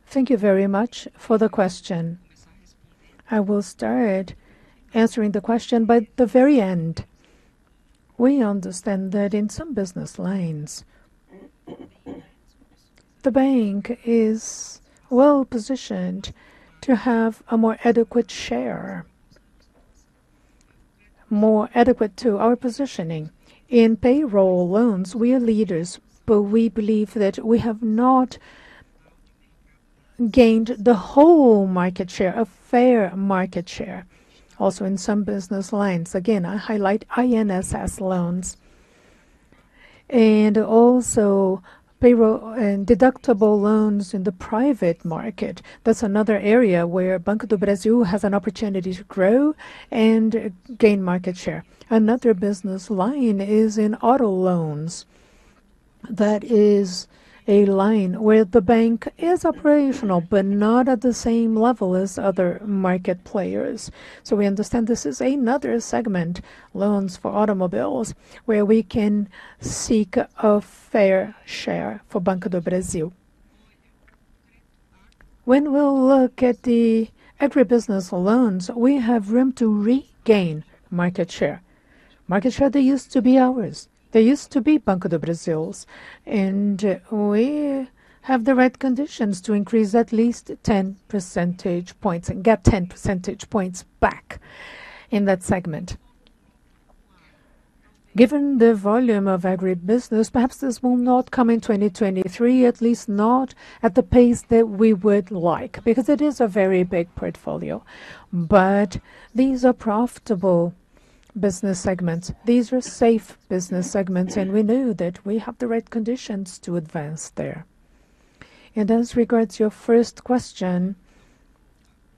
Thank you very much for the question. I will start answering the question by the very end. We understand that in some business lines, the bank is well-positioned to have a more adequate share, more adequate to our positioning. In payroll loans, we are leaders, but we believe that we have not gained the whole market share, a fair market share. Also in some business lines, again, I highlight INSS loans and also payroll and deductible loans in the private market. That's another area where Banco do Brasil has an opportunity to grow and gain market share. Another business line is in auto loans. That is a line where the bank is operational, but not at the same level as other market players. We understand this is another segment, loans for automobiles, where we can seek a fair share for Banco do Brasil. When we look at the agribusiness loans, we have room to regain market share. Market share that used to be ours. They used to be Banco do Brasil's. We have the right conditions to increase at least 10 percentage points and get 10 percentage points back in that segment. Given the volume of agribusiness, perhaps this will not come in 2023, at least not at the pace that we would like, because it is a very big portfolio. These are profitable business segments. These are safe business segments. We know that we have the right conditions to advance there. As regards your first question,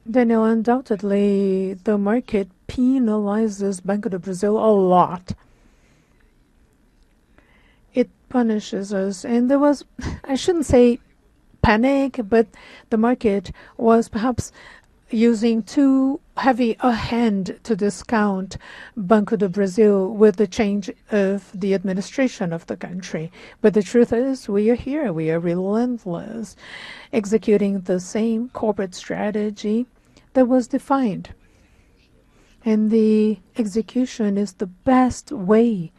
Daniel, undoubtedly, the market penalizes Banco do Brasil a lot. It punishes us. There was, I shouldn't say panic, but the market was perhaps using too heavy a hand to discount Banco do Brasil with the change of the administration of the country. The truth is, we are here. We are relentless, executing the same corporate strategy that was defined. The execution is the best way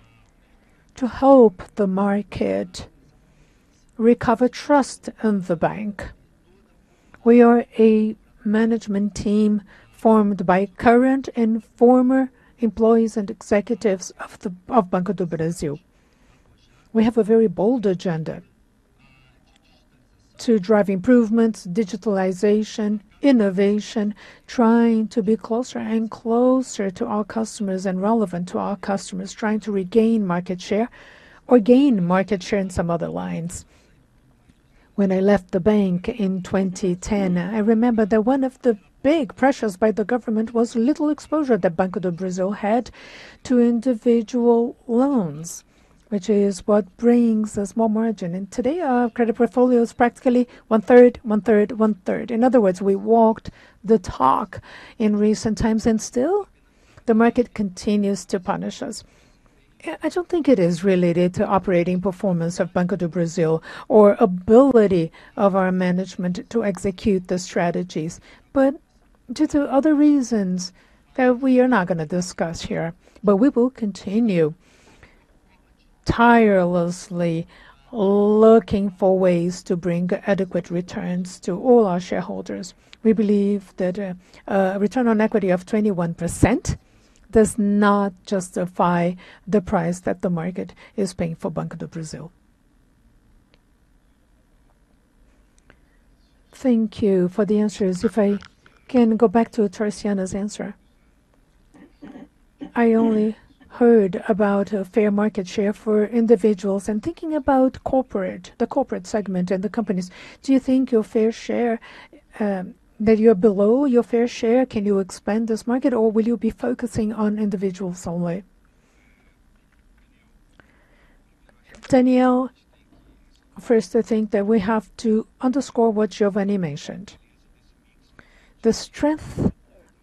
to help the market recover trust in the bank. We are a management team formed by current and former employees and executives of Banco do Brasil. We have a very bold agenda to drive improvements, digitalization, innovation, trying to be closer and closer to our customers and relevant to our customers, trying to regain market share or gain market share in some other lines. When I left the bank in 2010, I remember that one of the big pressures by the government was little exposure that Banco do Brasil had to individual loans, which is what brings a small margin. Today, our credit portfolio is practically one-third, one-third, one-third. In other words, we walked the talk in recent times, still, the market continues to punish us. I don't think it is related to operating performance of Banco do Brasil or ability of our management to execute the strategies, but due to other reasons that we are not gonna discuss here. We will continue tirelessly looking for ways to bring adequate returns to all our shareholders. We believe that a return on equity of 21% does not justify the price that the market is paying for Banco do Brasil. Thank you for the answers. If I can go back to Tarciana's answer. I only heard about a fair market share for individuals and thinking about corporate, the corporate segment and the companies, do you think your fair share that you're below your fair share? Can you expand this market, or will you be focusing on individuals only? Daniel, first, I think that we have to underscore what Geovanne Tobias mentioned. The strength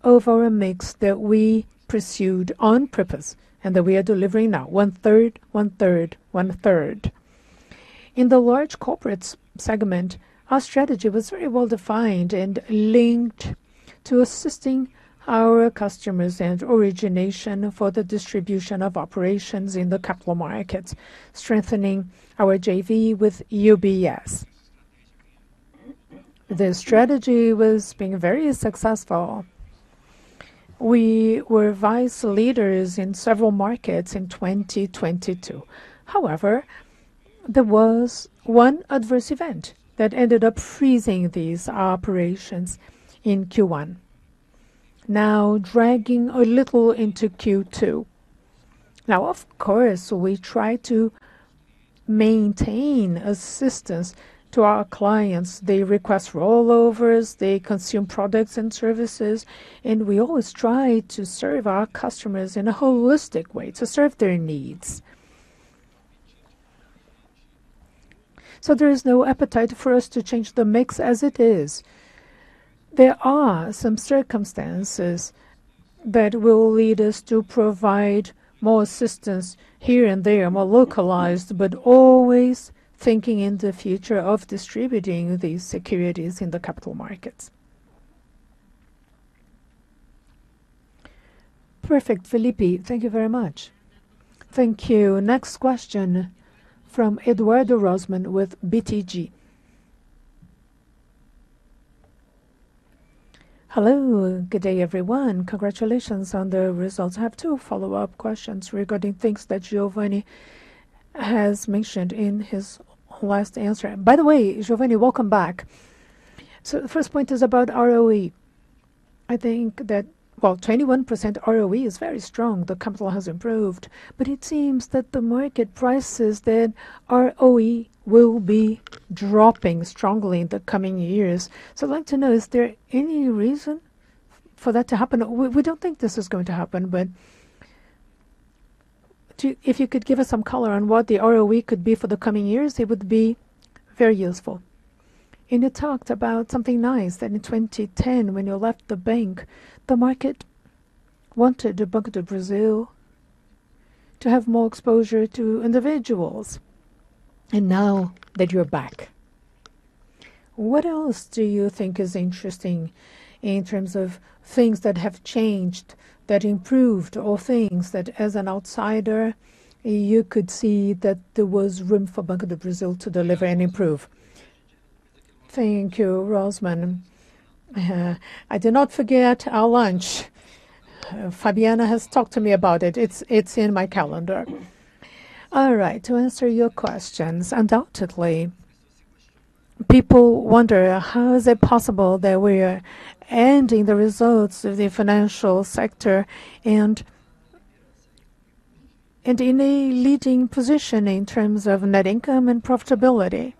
of our mix that we pursued on purpose and that we are delivering now, 1/3, 1/3, 1/3. In the large corporates segment, our strategy was very well-defined and linked to assisting our customers and origination for the distribution of operations in the capital markets, strengthening our JV with UBS. The strategy was being very successful. We were vice leaders in several markets in 2022. There was one adverse event that ended up freezing these operations in Q one, dragging a little into Q two. Of course, we try to maintain assistance to our clients. They request rollovers, they consume products and services. We always try to serve our customers in a holistic way to serve their needs. There is no appetite for us to change the mix as it is. There are some circumstances that will lead us to provide more assistance here and there, more localized, but always thinking in the future of distributing these securities in the capital markets. Perfect, Felipe. Thank you very much. Thank you. Next question from Eduardo Rosman with BTG. Hello, good day, everyone. Congratulations on the results. I have two follow-up questions regarding things that Giovani has mentioned in his last answer. By the way, Giovani, welcome back. The first point is about ROE. I think that, well, 21% ROE is very strong. The capital has improved, but it seems that the market prices that ROE will be dropping strongly in the coming years. I'd like to know, is there any reason for that to happen? We don't think this is going to happen, if you could give us some color on what the ROE could be for the coming years, it would be very useful. You talked about something nice that in 2010, when you left the bank, the market wanted Banco do Brasil to have more exposure to individuals. Now that you're back, what else do you think is interesting in terms of things that have changed, that improved, or things that, as an outsider, you could see that there was room for Banco do Brasil to deliver and improve? Thank you, Rosman. I did not forget our lunch. Fabiana has talked to me about it. It's in my calendar. All right, to answer your questions, undoubtedly, people wonder, how is it possible that we are ending the results of the financial sector and in a leading position in terms of net income and profitability?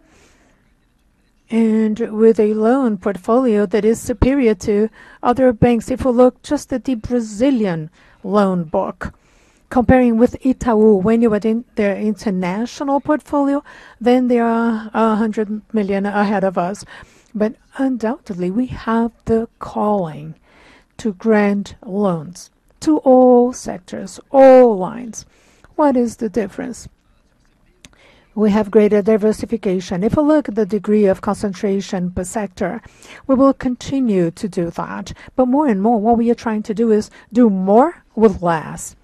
With a loan portfolio that is superior to other banks. If you look just at the Brazilian loan book, comparing with Itaú, when you add in their international portfolio, then they are 100 million ahead of us. Undoubtedly, we have the calling to grant loans to all sectors, all lines. What is the difference? We have greater diversification. If you look at the degree of concentration per sector, we will continue to do that. More and more, what we are trying to do is do more with less.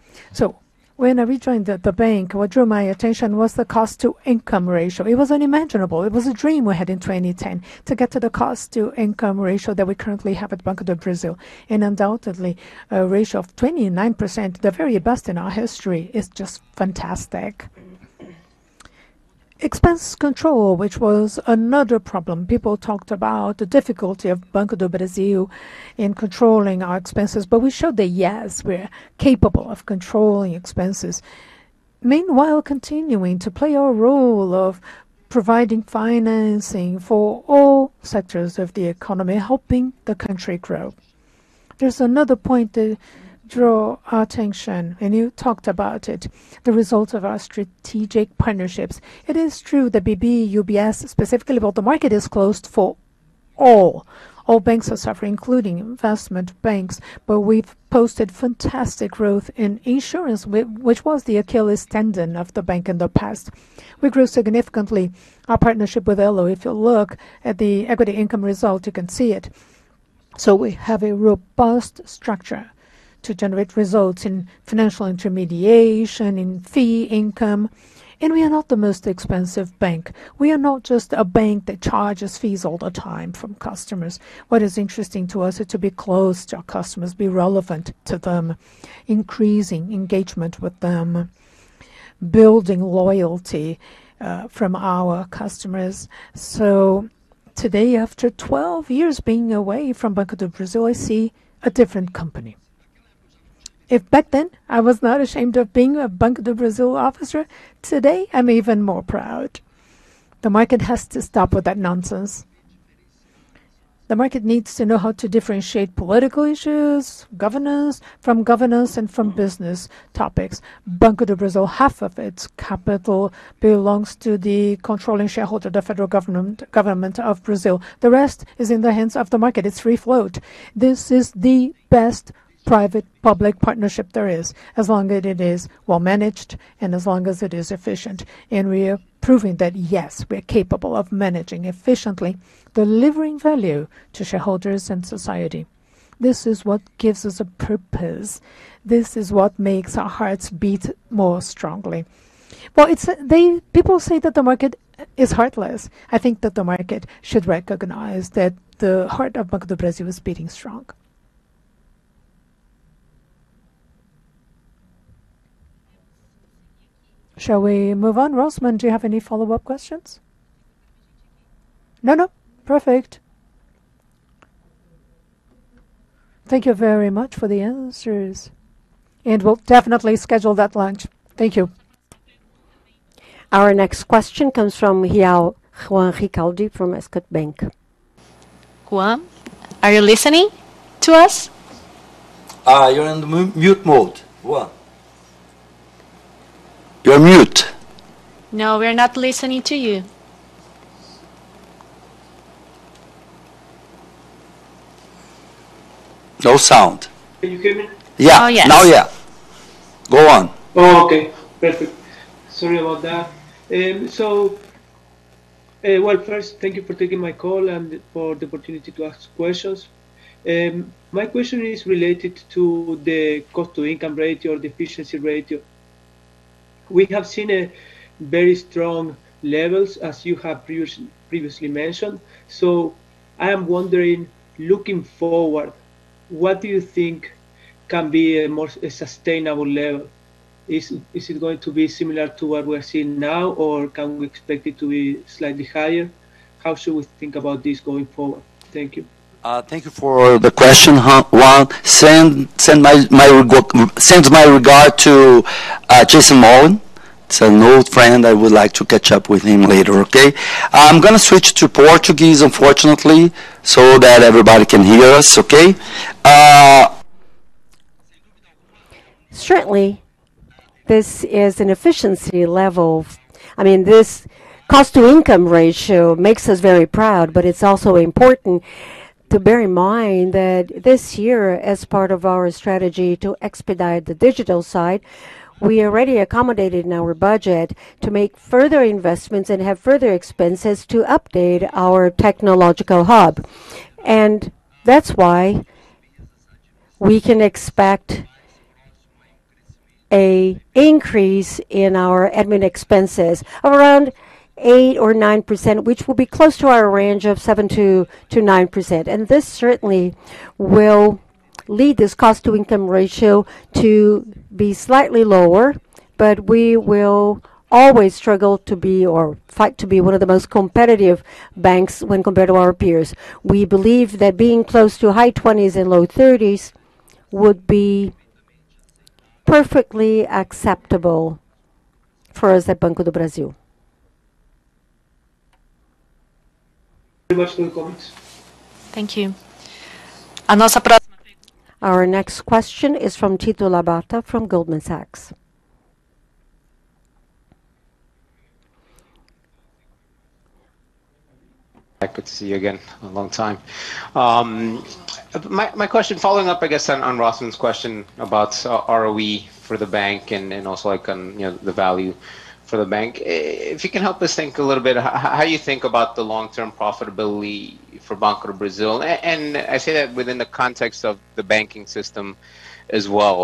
When I rejoined the bank, what drew my attention was the cost-to-income ratio. It was unimaginable. It was a dream we had in 2010 to get to the cost-to-income ratio that we currently have at Banco do Brasil. Undoubtedly, a ratio of 29%, the very best in our history, is just fantastic. Expense control, which was another problem. People talked about the difficulty of Banco do Brasil in controlling our expenses, but we showed that, yes, we're capable of controlling expenses, meanwhile continuing to play our role of providing financing for all sectors of the economy, helping the country grow. There's another point to draw our attention, and you talked about it, the results of our strategic partnerships. It is true that BB, UBS specifically, but the market is closed for all. All banks are suffering, including investment banks, but we've posted fantastic growth in insurance which was the Achilles tendon of the bank in the past. We grew significantly our partnership with Elo. If you look at the equity income result, you can see it. We have a robust structure to generate results in financial intermediation, in fee income, and we are not the most expensive bank. We are not just a bank that charges fees all the time from customers. What is interesting to us is to be close to our customers, be relevant to them, increasing engagement with them, building loyalty from our customers. Today, after 12 years being away from Banco do Brasil, I see a different company. Back then, I was not ashamed of being a Banco do Brasil officer, today I'm even more proud. The market has to stop with that nonsense. The market needs to know how to differentiate political issues, governance from governance and from business topics. Banco do Brasil, half of its capital belongs to the controlling shareholder, the federal government of Brazil. The rest is in the hands of the market. It's free float. This is the best private-public partnership there is, as long as it is well-managed and as long as it is efficient. We are proving that, yes, we are capable of managing efficiently, delivering value to shareholders and society. This is what gives us a purpose. This is what makes our hearts beat more strongly. Well, people say that the market is heartless. I think that the market should recognize that the heart of Banco do Brasil is beating strong. Shall we move on? Rosman, do you have any follow-up questions? No, no. Perfect. Thank you very much for the answers, and we'll definitely schedule that lunch. Thank you. Our next question comes from Juan Ricaldi from Scotiabank. Juan, are you listening to us? You're in the mute mode, Juan. You're mute. No, we're not listening to you. No sound. Can you hear me? Yeah. Oh, yes. Yeah. Go on. Okay. Perfect. Sorry about that. Well, first, thank you for taking my call and for the opportunity to ask questions. My question is related to the cost-to-income ratio or the efficiency ratio. We have seen a very strong levels, as you have previously mentioned. I am wondering, looking forward, what do you think can be a more, a sustainable level? Is it going to be similar to what we are seeing now, or can we expect it to be slightly higher? How should we think about this going forward? Thank you. Thank you for the question, Juan. Send my regard to Jason Mollin. He's an old friend. I would like to catch up with him later, okay? I'm gonna switch to Portuguese, unfortunately, so that everybody can hear us, okay? Certainly, this is an efficiency level. I mean, this cost-to-income ratio makes us very proud, but it's also important to bear in mind that this year, as part of our strategy to expedite the digital side, we already accommodated in our budget to make further investments and have further expenses to update our technological hub. That's why we can expect a increase in our admin expenses around 8% or 9%, which will be close to our range of 7%-9%. This certainly will lead this cost-to-income ratio to be slightly lower, but we will always struggle to be or fight to be one of the most competitive banks when compared to our peers. We believe that being close to high 20s and low 30s would be perfectly acceptable for us at Banco do Brasil. Thank you very much for the comments. Thank you. Our next question is from Tito Labarta from Goldman Sachs. Good to see you again, long time. My question, following up, I guess, on Rosman's question about ROE for the bank and also on, you know, the value for the bank. If you can help us think a little bit how you think about the long-term profitability for Banco do Brasil. I say that within the context of the banking system as well.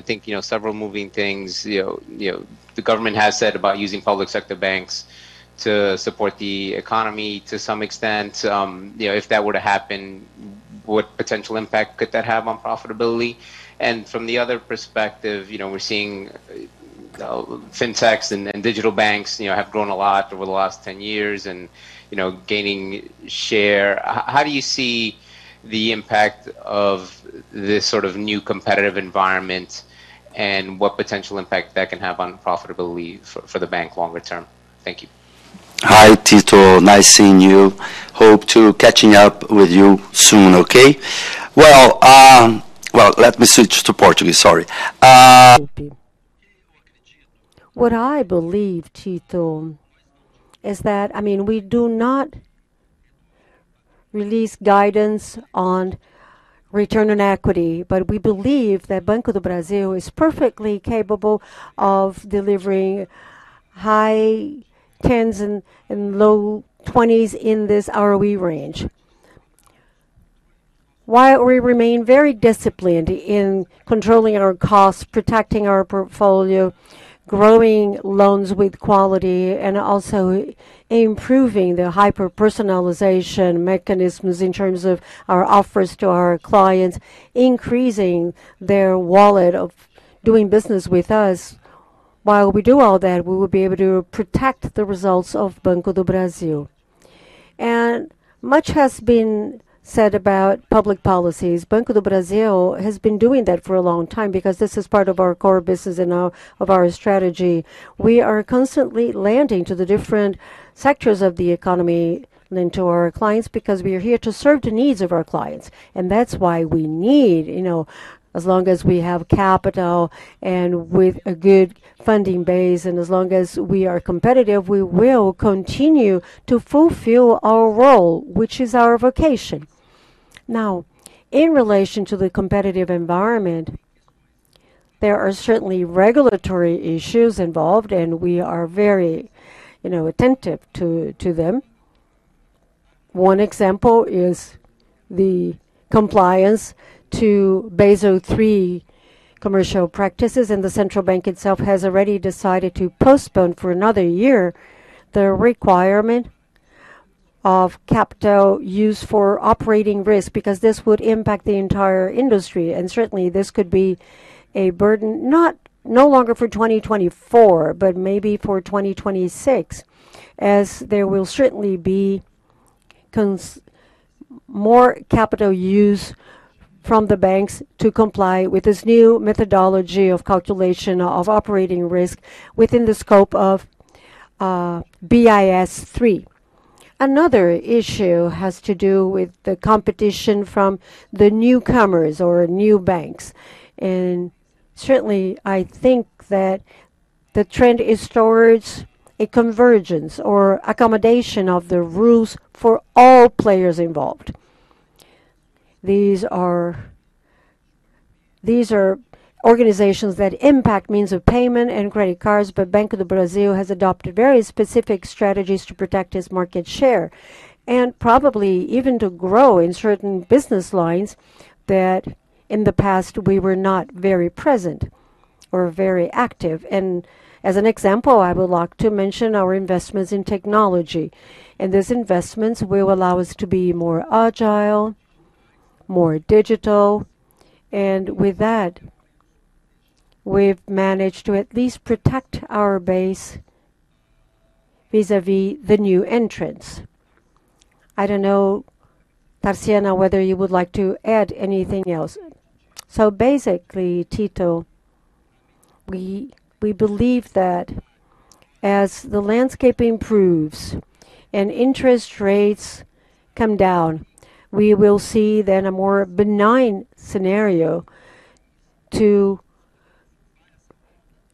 I think, you know, several moving things, you know, the government has said about using public sector banks to support the economy to some extent. If that were to happen, what potential impact could that have on profitability? From the other perspective, you know, we're seeing Fintechs and digital banks, you know, have grown a lot over the last 10 years and, you know, gaining share. How do you see the impact of this sort of new competitive environment, and what potential impact that can have on profitability for the bank longer term? Thank you. Hi, Tito. Nice seeing you. Hope to catching up with you soon, okay? Well, well, let me switch to Portuguese. Sorry. What I believe, Tito, is that, I mean, we do not release guidance on return on equity, but we believe that Banco do Brasil is perfectly capable of delivering high tens and low twenties in this ROE range. While we remain very disciplined in controlling our costs, protecting our portfolio, growing loans with quality, and also improving the hyper-personalization mechanisms in terms of our offers to our clients, increasing their wallet of doing business with us, while we do all that, we will be able to protect the results of Banco do Brasil. Much has been said about public policies. Banco do Brasil has been doing that for a long time because this is part of our core business and of our strategy. We are constantly landing to the different sectors of the economy and to our clients because we are here to serve the needs of our clients. That's why we need, you know, as long as we have capital and with a good funding base, and as long as we are competitive, we will continue to fulfill our role, which is our vocation. Now, in relation to the competitive environment. There are certainly regulatory issues involved, and we are very, you know, attentive to them. One example is the compliance to Basel III commercial practices, and the central bank itself has already decided to postpone for another year the requirement of capital use for operating risk because this would impact the entire industry. Certainly this could be a burden, no longer for 2024, but maybe for 2026, as there will certainly be more capital use from the banks to comply with this new methodology of calculation of operating risk within the scope of BIS III. Another issue has to do with the competition from the newcomers or new banks. Certainly, I think that the trend is towards a convergence or accommodation of the rules for all players involved. These are organizations that impact means of payment and credit cards, but Banco do Brasil has adopted very specific strategies to protect its market share and probably even to grow in certain business lines that in the past we were not very present or very active. As an example, I would like to mention our investments in technology. These investments will allow us to be more agile, more digital. With that, we've managed to at least protect our base vis-à-vis the new entrants. I don't know, Tarciana, whether you would like to add anything else. Basically, Tito, we believe that as the landscape improves and interest rates come down, we will see then a more benign scenario to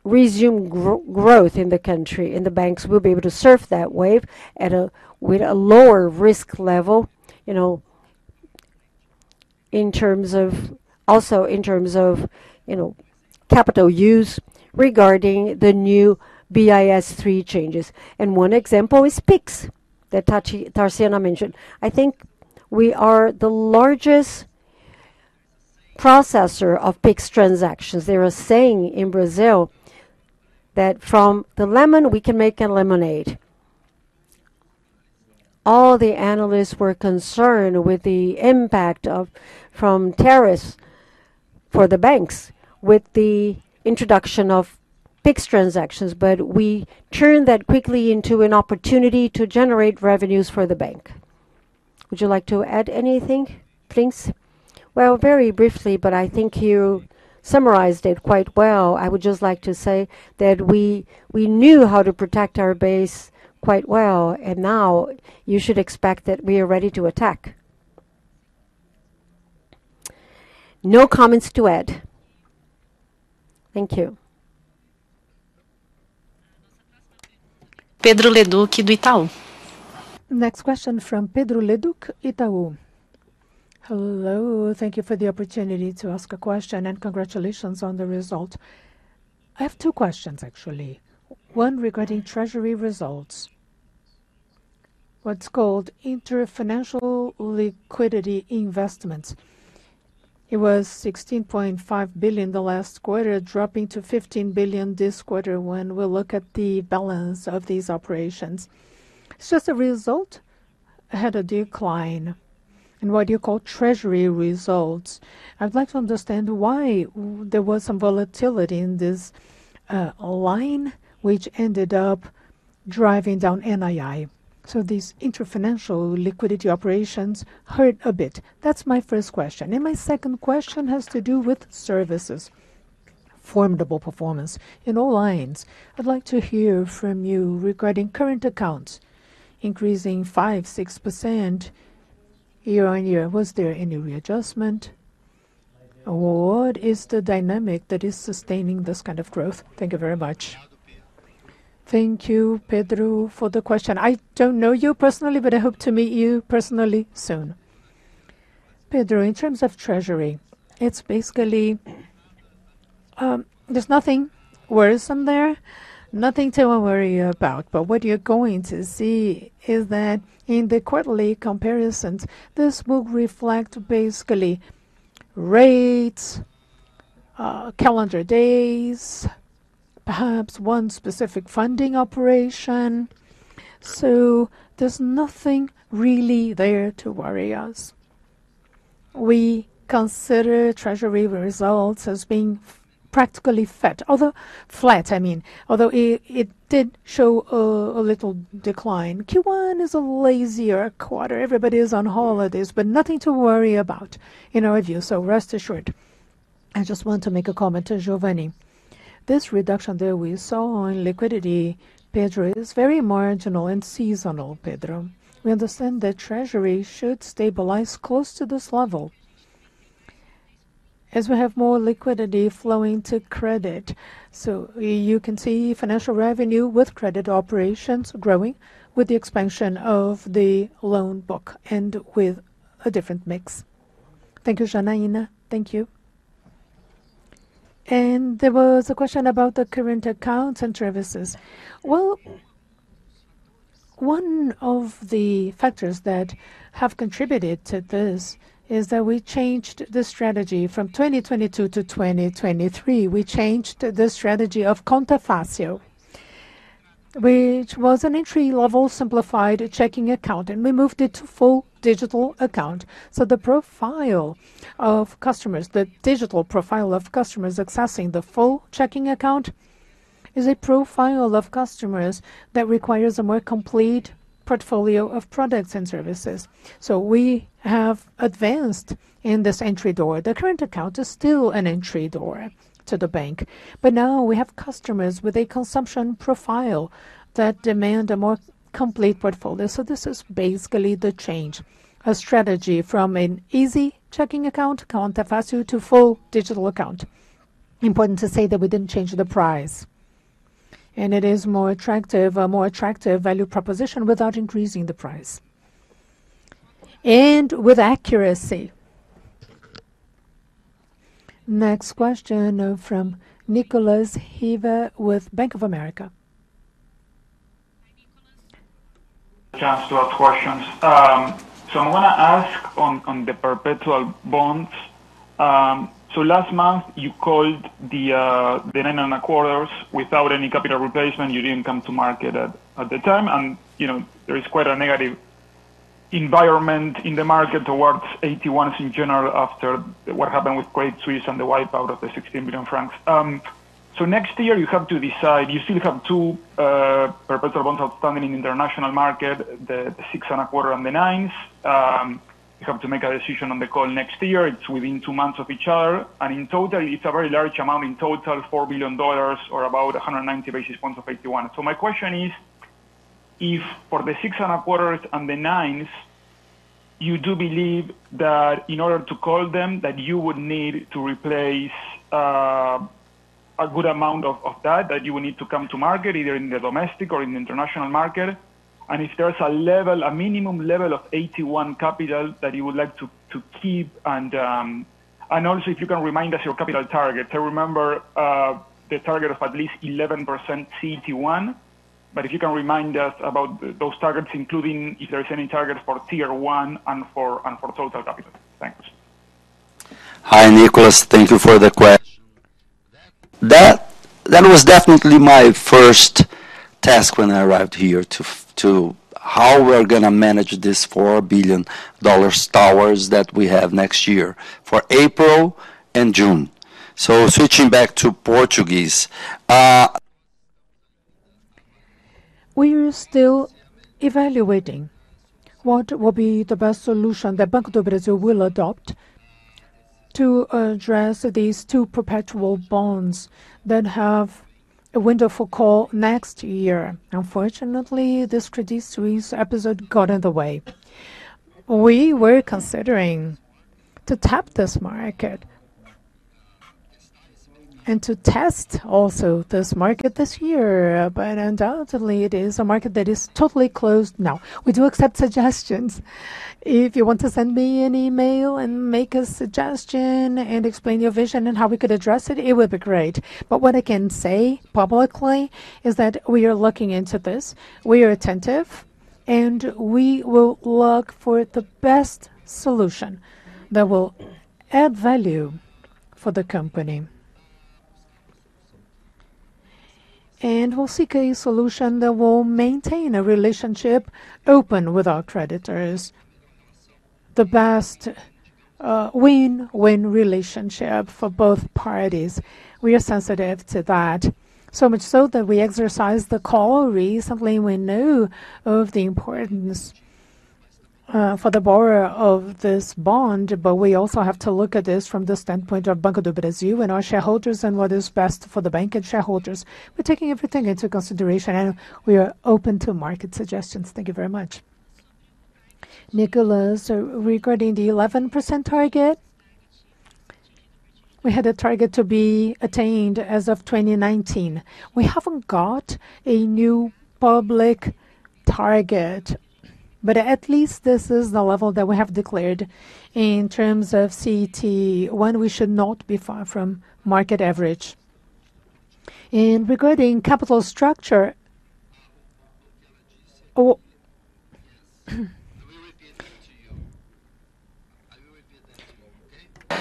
resume growth in the country, and the banks will be able to surf that wave with a lower risk level, you know, in terms of also in terms of, you know, capital use regarding the new Basel III changes. One example is Pix that Tarciana mentioned. I think we are the largest processor of Pix transactions. There is a saying in Brazil that from the lemon we can make a lemonade. All the analysts were concerned with the impact from terrorists for the banks with the introduction of Pix transactions. We turned that quickly into an opportunity to generate revenues for the bank. Would you like to add anything, please? Well, very briefly, I think you summarized it quite well. I would just like to say that we knew how to protect our base quite well. Now you should expect that we are ready to attack. No comments to add. Thank you. Pedro Leduc Itaú. Next question from Pedro Leduc Itaú. Hello. Thank you for the opportunity to ask a question, and congratulations on the result. I have two questions, actually. One regarding treasury results, what's called inter-financial liquidity investments. It was 16.5 billion the last quarter, dropping to 15 billion this quarter when we look at the balance of these operations. As a result, had a decline in what you call treasury results. I'd like to understand why there was some volatility in this line which ended up driving down NII. These inter-financial liquidity operations hurt a bit. That's my first question. My second question has to do with services. Formidable performance. In all lines, I'd like to hear from you regarding current accounts increasing 5%, 6% year-on-year. Was there any readjustment? What is the dynamic that is sustaining this kind of growth? Thank you very much. Thank you, Pedro, for the question. I don't know you personally. I hope to meet you personally soon. Pedro, in terms of treasury, it's basically, there's nothing worrisome there, nothing to worry about. What you're going to see is that in the quarterly comparisons, this will reflect basically rates, calendar days, perhaps one specific funding operation. There's nothing really there to worry us. We consider treasury results as being practically fat. Flat, I mean. Although it did show a little decline. Q1 is a lazier quarter. Everybody is on holidays. Nothing to worry about in our view. Rest assured. I just want to make a comment to Giovani. This reduction that we saw on liquidity, Pedro, is very marginal and seasonal, Pedro. We understand that treasury should stabilize close to this level as we have more liquidity flowing to credit. You can see financial revenue with credit operations growing with the expansion of the loan book and with... A different mix. Thank you, Tarciania. Thank you. There was a question about the current accounts and services. Well, one of the factors that have contributed to this is that we changed the strategy from 2022 to 2023. We changed the strategy of Conta Fácil, which was an entry-level simplified checking account, and we moved it to full digital account. The profile of customers, the digital profile of customers accessing the full checking account is a profile of customers that requires a more complete portfolio of products and services. We have advanced in this entry door. The current account is still an entry door to the bank, now we have customers with a consumption profile that demand a more complete portfolio. This is basically the change, a strategy from an easy checking account, Conta Fácil, to full digital account. Important to say that we didn't change the price, and it is more attractive, a more attractive value proposition without increasing the price, and with accuracy. Next question from Nicolas Barros with Bank of America. Hi, Nicholas. Chance to ask questions. I want to ask on the perpetual bonds. Last month you called the 9.25 without any capital replacement. You didn't come to market at the time. You know, there is quite a negative environment in the market towards AT1s in general after what happened with Credit Suisse and the wipe out of the 16 billion francs. Next year you have to decide. You still have 2 perpetual bonds outstanding in the international market, the 6.25 and the 9s. You have to make a decision on the call next year. It's within 2 months of each other. In total, it's a very large amount. In total, $4 billion or about 190 basis points of AT1. My question is, if for the six and a quarters and the nines, you do believe that in order to call them, that you would need to replace a good amount of that you would need to come to market either in the domestic or in the international market. If there's a level, a minimum level of AT1 capital that you would like to keep. Also, if you can remind us your capital target. I remember the target of at least 11% CET1. If you can remind us about those targets, including if there's any targets for tier one and for total capital. Thanks. Hi, Nicholas. Thank you for that was definitely my first task when I arrived here to how we're gonna manage this $4 billion towers that we have next year for April and June. Switching back to Portuguese. We are still evaluating what will be the best solution that Banco do Brasil will adopt to address these two perpetual bonds that have a window for call next year. Unfortunately, this Credit Suisse episode got in the way. We were considering to tap this market and to test also this market this year, undoubtedly it is a market that is totally closed now. We do accept suggestions. If you want to send me an email and make a suggestion and explain your vision on how we could address it would be great. What I can say publicly is that we are looking into this, we are attentive, and we will look for the best solution that will add value for the company. We'll seek a solution that will maintain a relationship open with our creditors. The best win-win relationship for both parties. We are sensitive to that. So much so that we exercise the call recently. We know of the importance for the borrower of this bond, but we also have to look at this from the standpoint of Banco do Brasil and our shareholders and what is best for the bank and shareholders. We're taking everything into consideration and we are open to market suggestions. Thank you very much. Nicholas, regarding the 11% target, we had a target to be attained as of 2019. We haven't got a new public target, but at least this is the level that we have declared in terms of CET1 we should not be far from market average. Regarding capital structure. We will repeat that to you. Okay?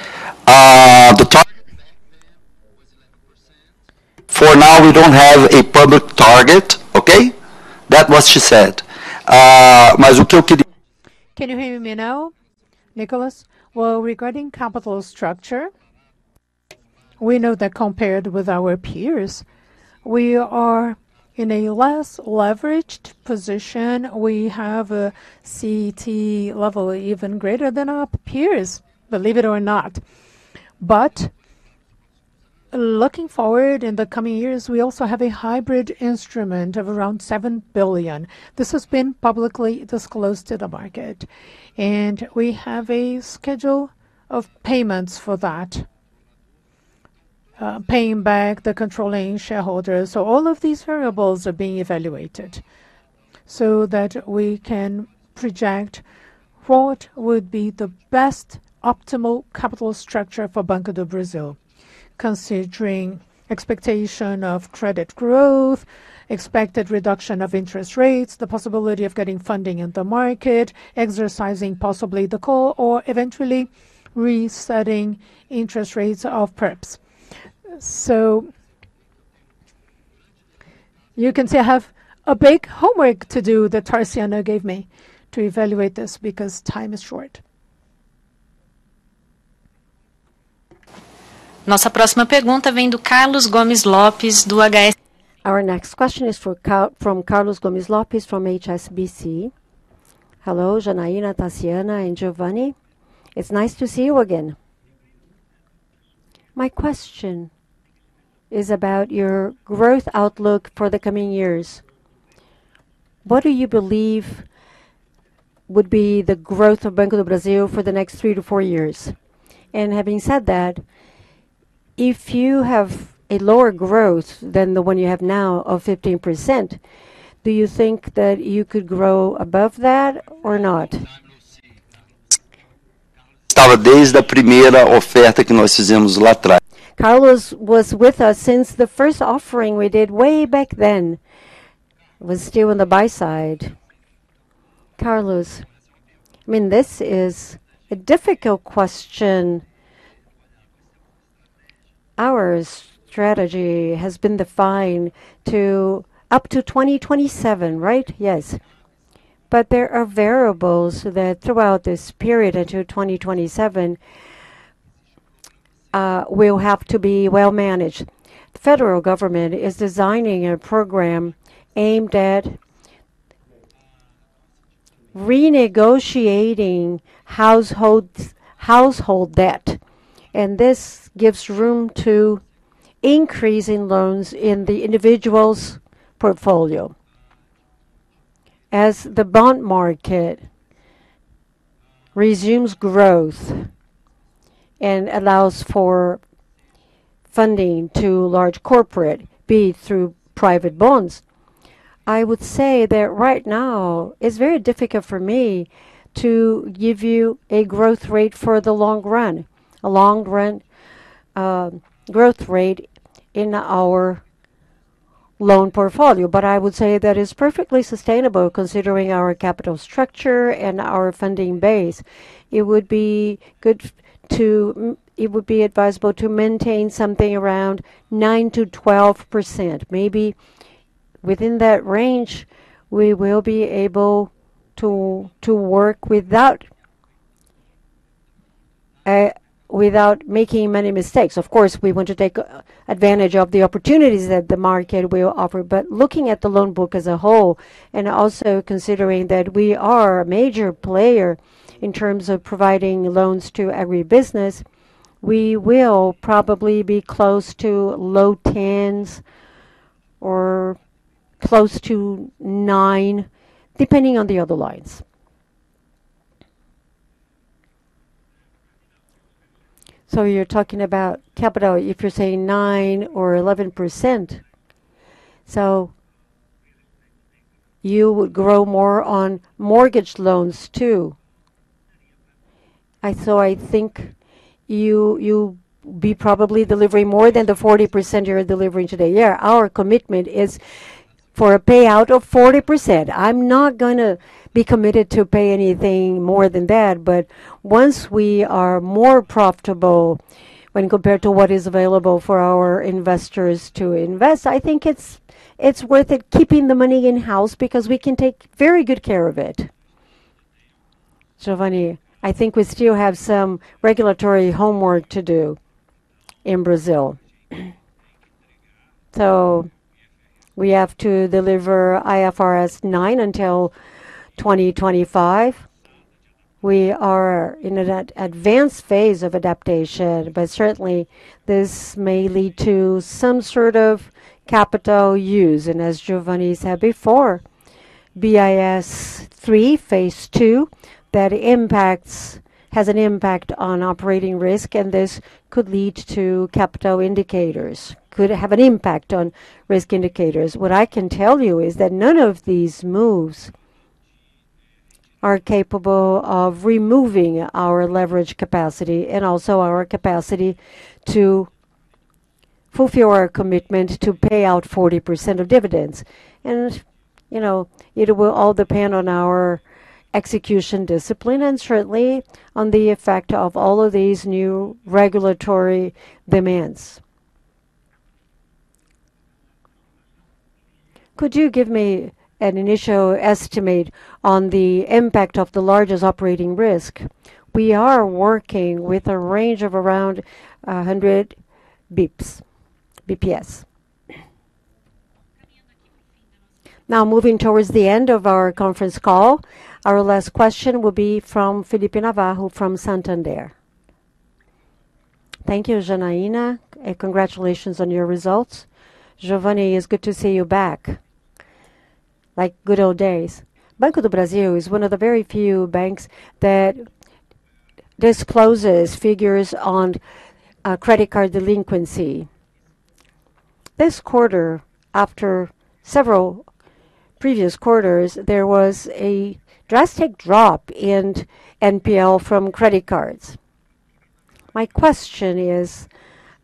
Was it 11%? For now, we don't have a public target. Okay? That's what she said. Can you hear me now, Nicholas? Well, regarding capital structure, we know that compared with our peers, we are in a less leveraged position. We have a CET level even greater than our peers, believe it or not. Looking forward in the coming years, we also have a hybrid instrument of around 7 billion. This has been publicly disclosed to the market, and we have a schedule of payments for that. Paying back the controlling shareholders. All of these variables are being evaluated so that we can project what would be the best optimal capital structure for Banco do Brasil, considering expectation of credit growth, expected reduction of interest rates, the possibility of getting funding in the market, exercising possibly the call, or eventually resetting interest rates of prep. You can see I have a big homework to do that Tarciana gave me to evaluate this because time is short. Our next question is from Carlos Gomez-Lopez from HSBC. Hello, Janaina, Tarciana, and Giovani. It's nice to see you again. My question is about your growth outlook for the coming years. What do you believe would be the growth of Banco do Brasil for the next three to four years? Having said that, if you have a lower growth than the one you have now of 15%, do you think that you could grow above that or not? Carlos was with us since the first offering we did way back then, was still on the buy side. Carlos, I mean, this is a difficult question. Our strategy has been defined to up to 2027, right? Yes. There are variables that throughout this period until 2027 will have to be well managed. The federal government is designing a program aimed at renegotiating household debt, and this gives room to increasing loans in the individual's portfolio. As the bond market resumes growth and allows for funding to large corporate, be it through private bonds, I would say that right now it's very difficult for me to give you a growth rate for the long run, a long run, growth rate in our loan portfolio. I would say that it's perfectly sustainable considering our capital structure and our funding base. It would be advisable to maintain something around 9%-12%. Maybe within that range, we will be able to work without making many mistakes. Of course, we want to take advantage of the opportunities that the market will offer. Looking at the loan book as a whole, and also considering that we are a major player in terms of providing loans to every business, we will probably be close to low 10s or close to 9, depending on the other lines. You're talking about capital. If you're saying 9 or 11%, you would grow more on mortgage loans too. I think you'll be probably delivering more than the 40% you're delivering today. Yeah. Our commitment is for a payout of 40%. I'm not gonna be committed to pay anything more than that. Once we are more profitable when compared to what is available for our investors to invest, I think it's worth it keeping the money in-house because we can take very good care of it. Geovanne. I think we still have some regulatory homework to do in Brazil. We have to deliver IFRS 9 until 2025. We are in an advanced phase of adaptation, but certainly this may lead to some sort of capital use. As Giovani said before, BIS III, phase III, that has an impact on operating risk, and this could lead to capital indicators, could have an impact on risk indicators. What I can tell you is that none of these moves are capable of removing our leverage capacity and also our capacity to fulfill our commitment to pay out 40% of dividends. You know, it will all depend on our execution discipline and certainly on the effect of all of these new regulatory demands. Could you give me an initial estimate on the impact of the largest operating risk? We are working with a range of around 100 basis points. Moving towards the end of our conference call, our last question will be from Felipe Navarro from Santander. Thank you, Janaína, and congratulations on your results. Geovanne, it's good to see you back. Like good old days. Banco do Brasil is one of the very few banks that discloses figures on credit card delinquency. This quarter, after several previous quarters, there was a drastic drop in NPL from credit cards. My question is,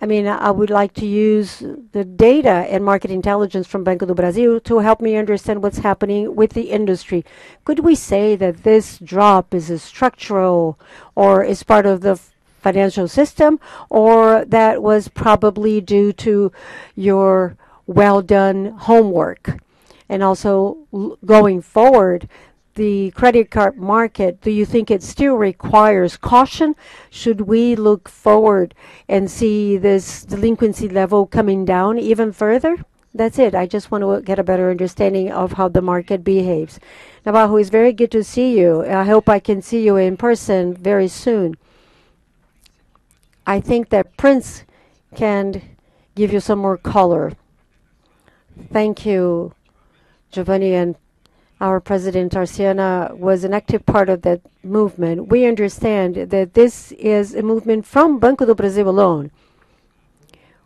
I mean, I would like to use the data and market intelligence from Banco do Brasil to help me understand what's happening with the industry. Could we say that this drop is a structural or is part of the financial system, or that was probably due to your well-done homework? Going forward, the credit card market, do you think it still requires caution? Should we look forward and see this delinquency level coming down even further? That's it. I just want to get a better understanding of how the market behaves. Navarro, it's very good to see you. I hope I can see you in person very soon. I think that Prince can give you some more color. Thank you, Giovanni. Our President Tarciana was an active part of that movement. We understand that this is a movement from Banco do Brasil alone.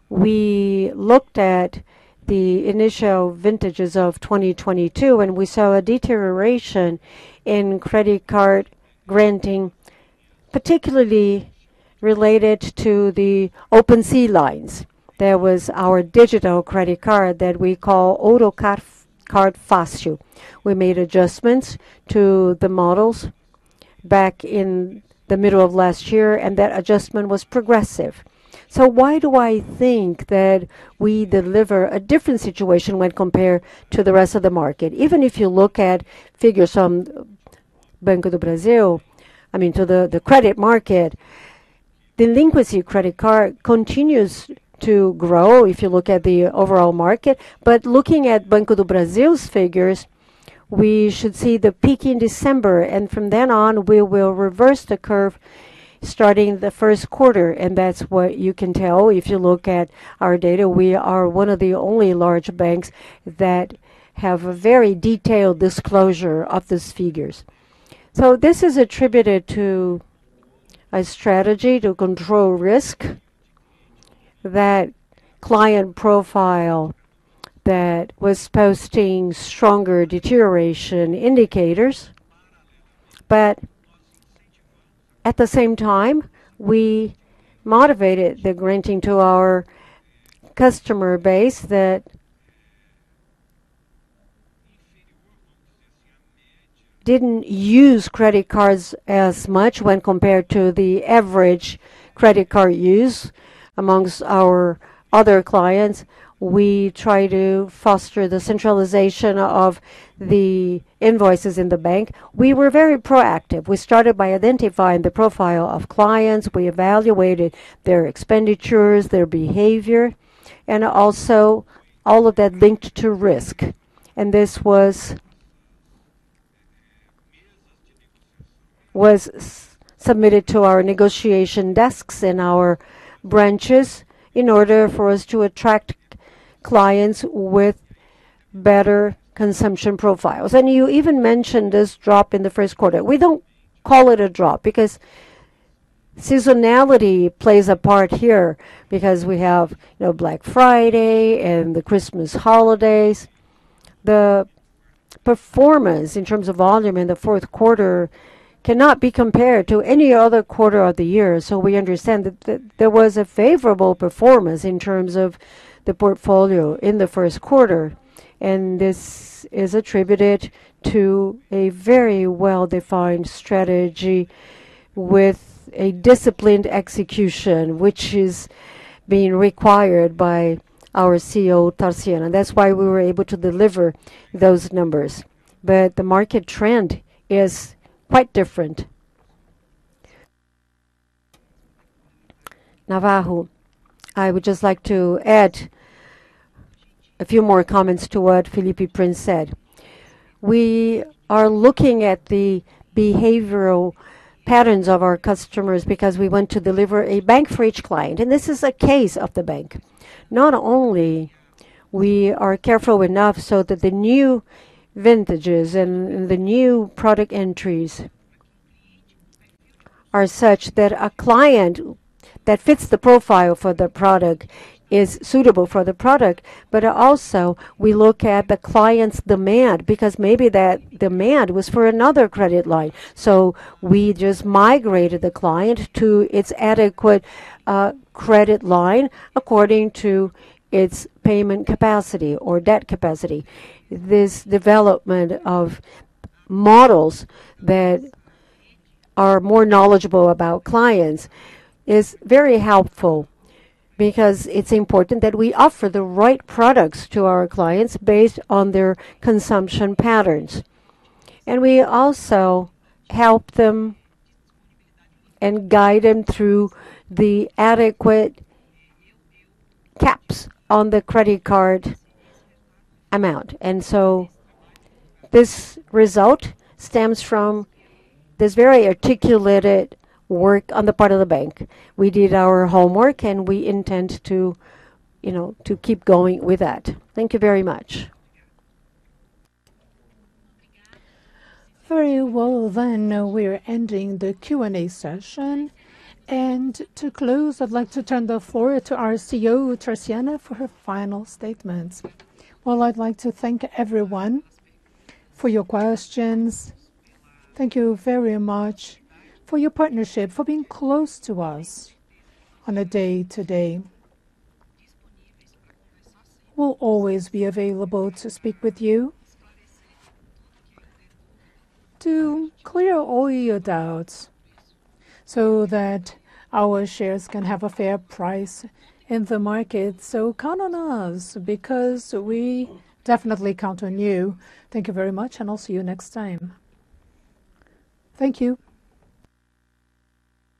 We looked at the initial vintages of 2022, and we saw a deterioration in credit card granting, particularly related to the Open C lines. There was our digital credit card that we call Ourocard Fácil. We made adjustments to the models back in the middle of last year, and that adjustment was progressive. Why do I think that we deliver a different situation when compared to the rest of the market? Even if you look at figures from Banco do Brasil, I mean, to the credit market, delinquency credit card continues to grow if you look at the overall market. Looking at Banco do Brasil's figures, we should see the peak in December, and from then on, we will reverse the curve starting the Q1, and that's what you can tell. If you look at our data, we are one of the only large banks that have a very detailed disclosure of these figures. This is attributed to a strategy to control risk that client profile that was posting stronger deterioration indicators. At the same time, we motivated the granting to our customer base that didn't use credit cards as much when compared to the average credit card use amongst our other clients. We try to foster the centralization of the invoices in the bank. We were very proactive. We started by identifying the profile of clients. We evaluated their expenditures, their behavior, and also all of that linked to risk. This was submitted to our negotiation desks in our branches in order for us to attract clients with better consumption profiles. You even mentioned this drop in the Q1. We don't call it a drop because seasonality plays a part here because we have, you know, Black Friday and the Christmas holidays. The performance in terms of volume in the Q4 cannot be compared to any other quarter of the year. We understand that there was a favorable performance in terms of the portfolio in the Q1, and this is attributed to a very well-defined strategy with a disciplined execution, which is being required by our CEO Tarciana. That's why we were able to deliver those numbers. The market trend is quite different. Navarro, I would just like to add a few more comments to what Felipe Prince said. We are looking at the behavioral patterns of our customers because we want to deliver a bank for each client, and this is a case of the bank. Not only we are careful enough so that the new vintages and the new product entries are such that a client that fits the profile for the product is suitable for the product. Also we look at the client's demand because maybe that demand was for another credit line. We just migrated the client to its adequate credit line according to its payment capacity or debt capacity. This development of models that are more knowledgeable about clients is very helpful because it's important that we offer the right products to our clients based on their consumption patterns. We also help them and guide them through the adequate caps on the credit card amount. This result stems from this very articulated work on the part of the bank. We did our homework, and we intend to, you know, to keep going with that. Thank you very much. Very well then. We're ending the Q&A session. To close, I'd like to turn the floor to our CEO, Tarciana, for her final statements. Well, I'd like to thank everyone for your questions. Thank you very much for your partnership, for being close to us on a day to day. We'll always be available to speak with you to clear all your doubts so that our shares can have a fair price in the market. Count on us because we definitely count on you. Thank you very much, and I'll see you next time. Thank you.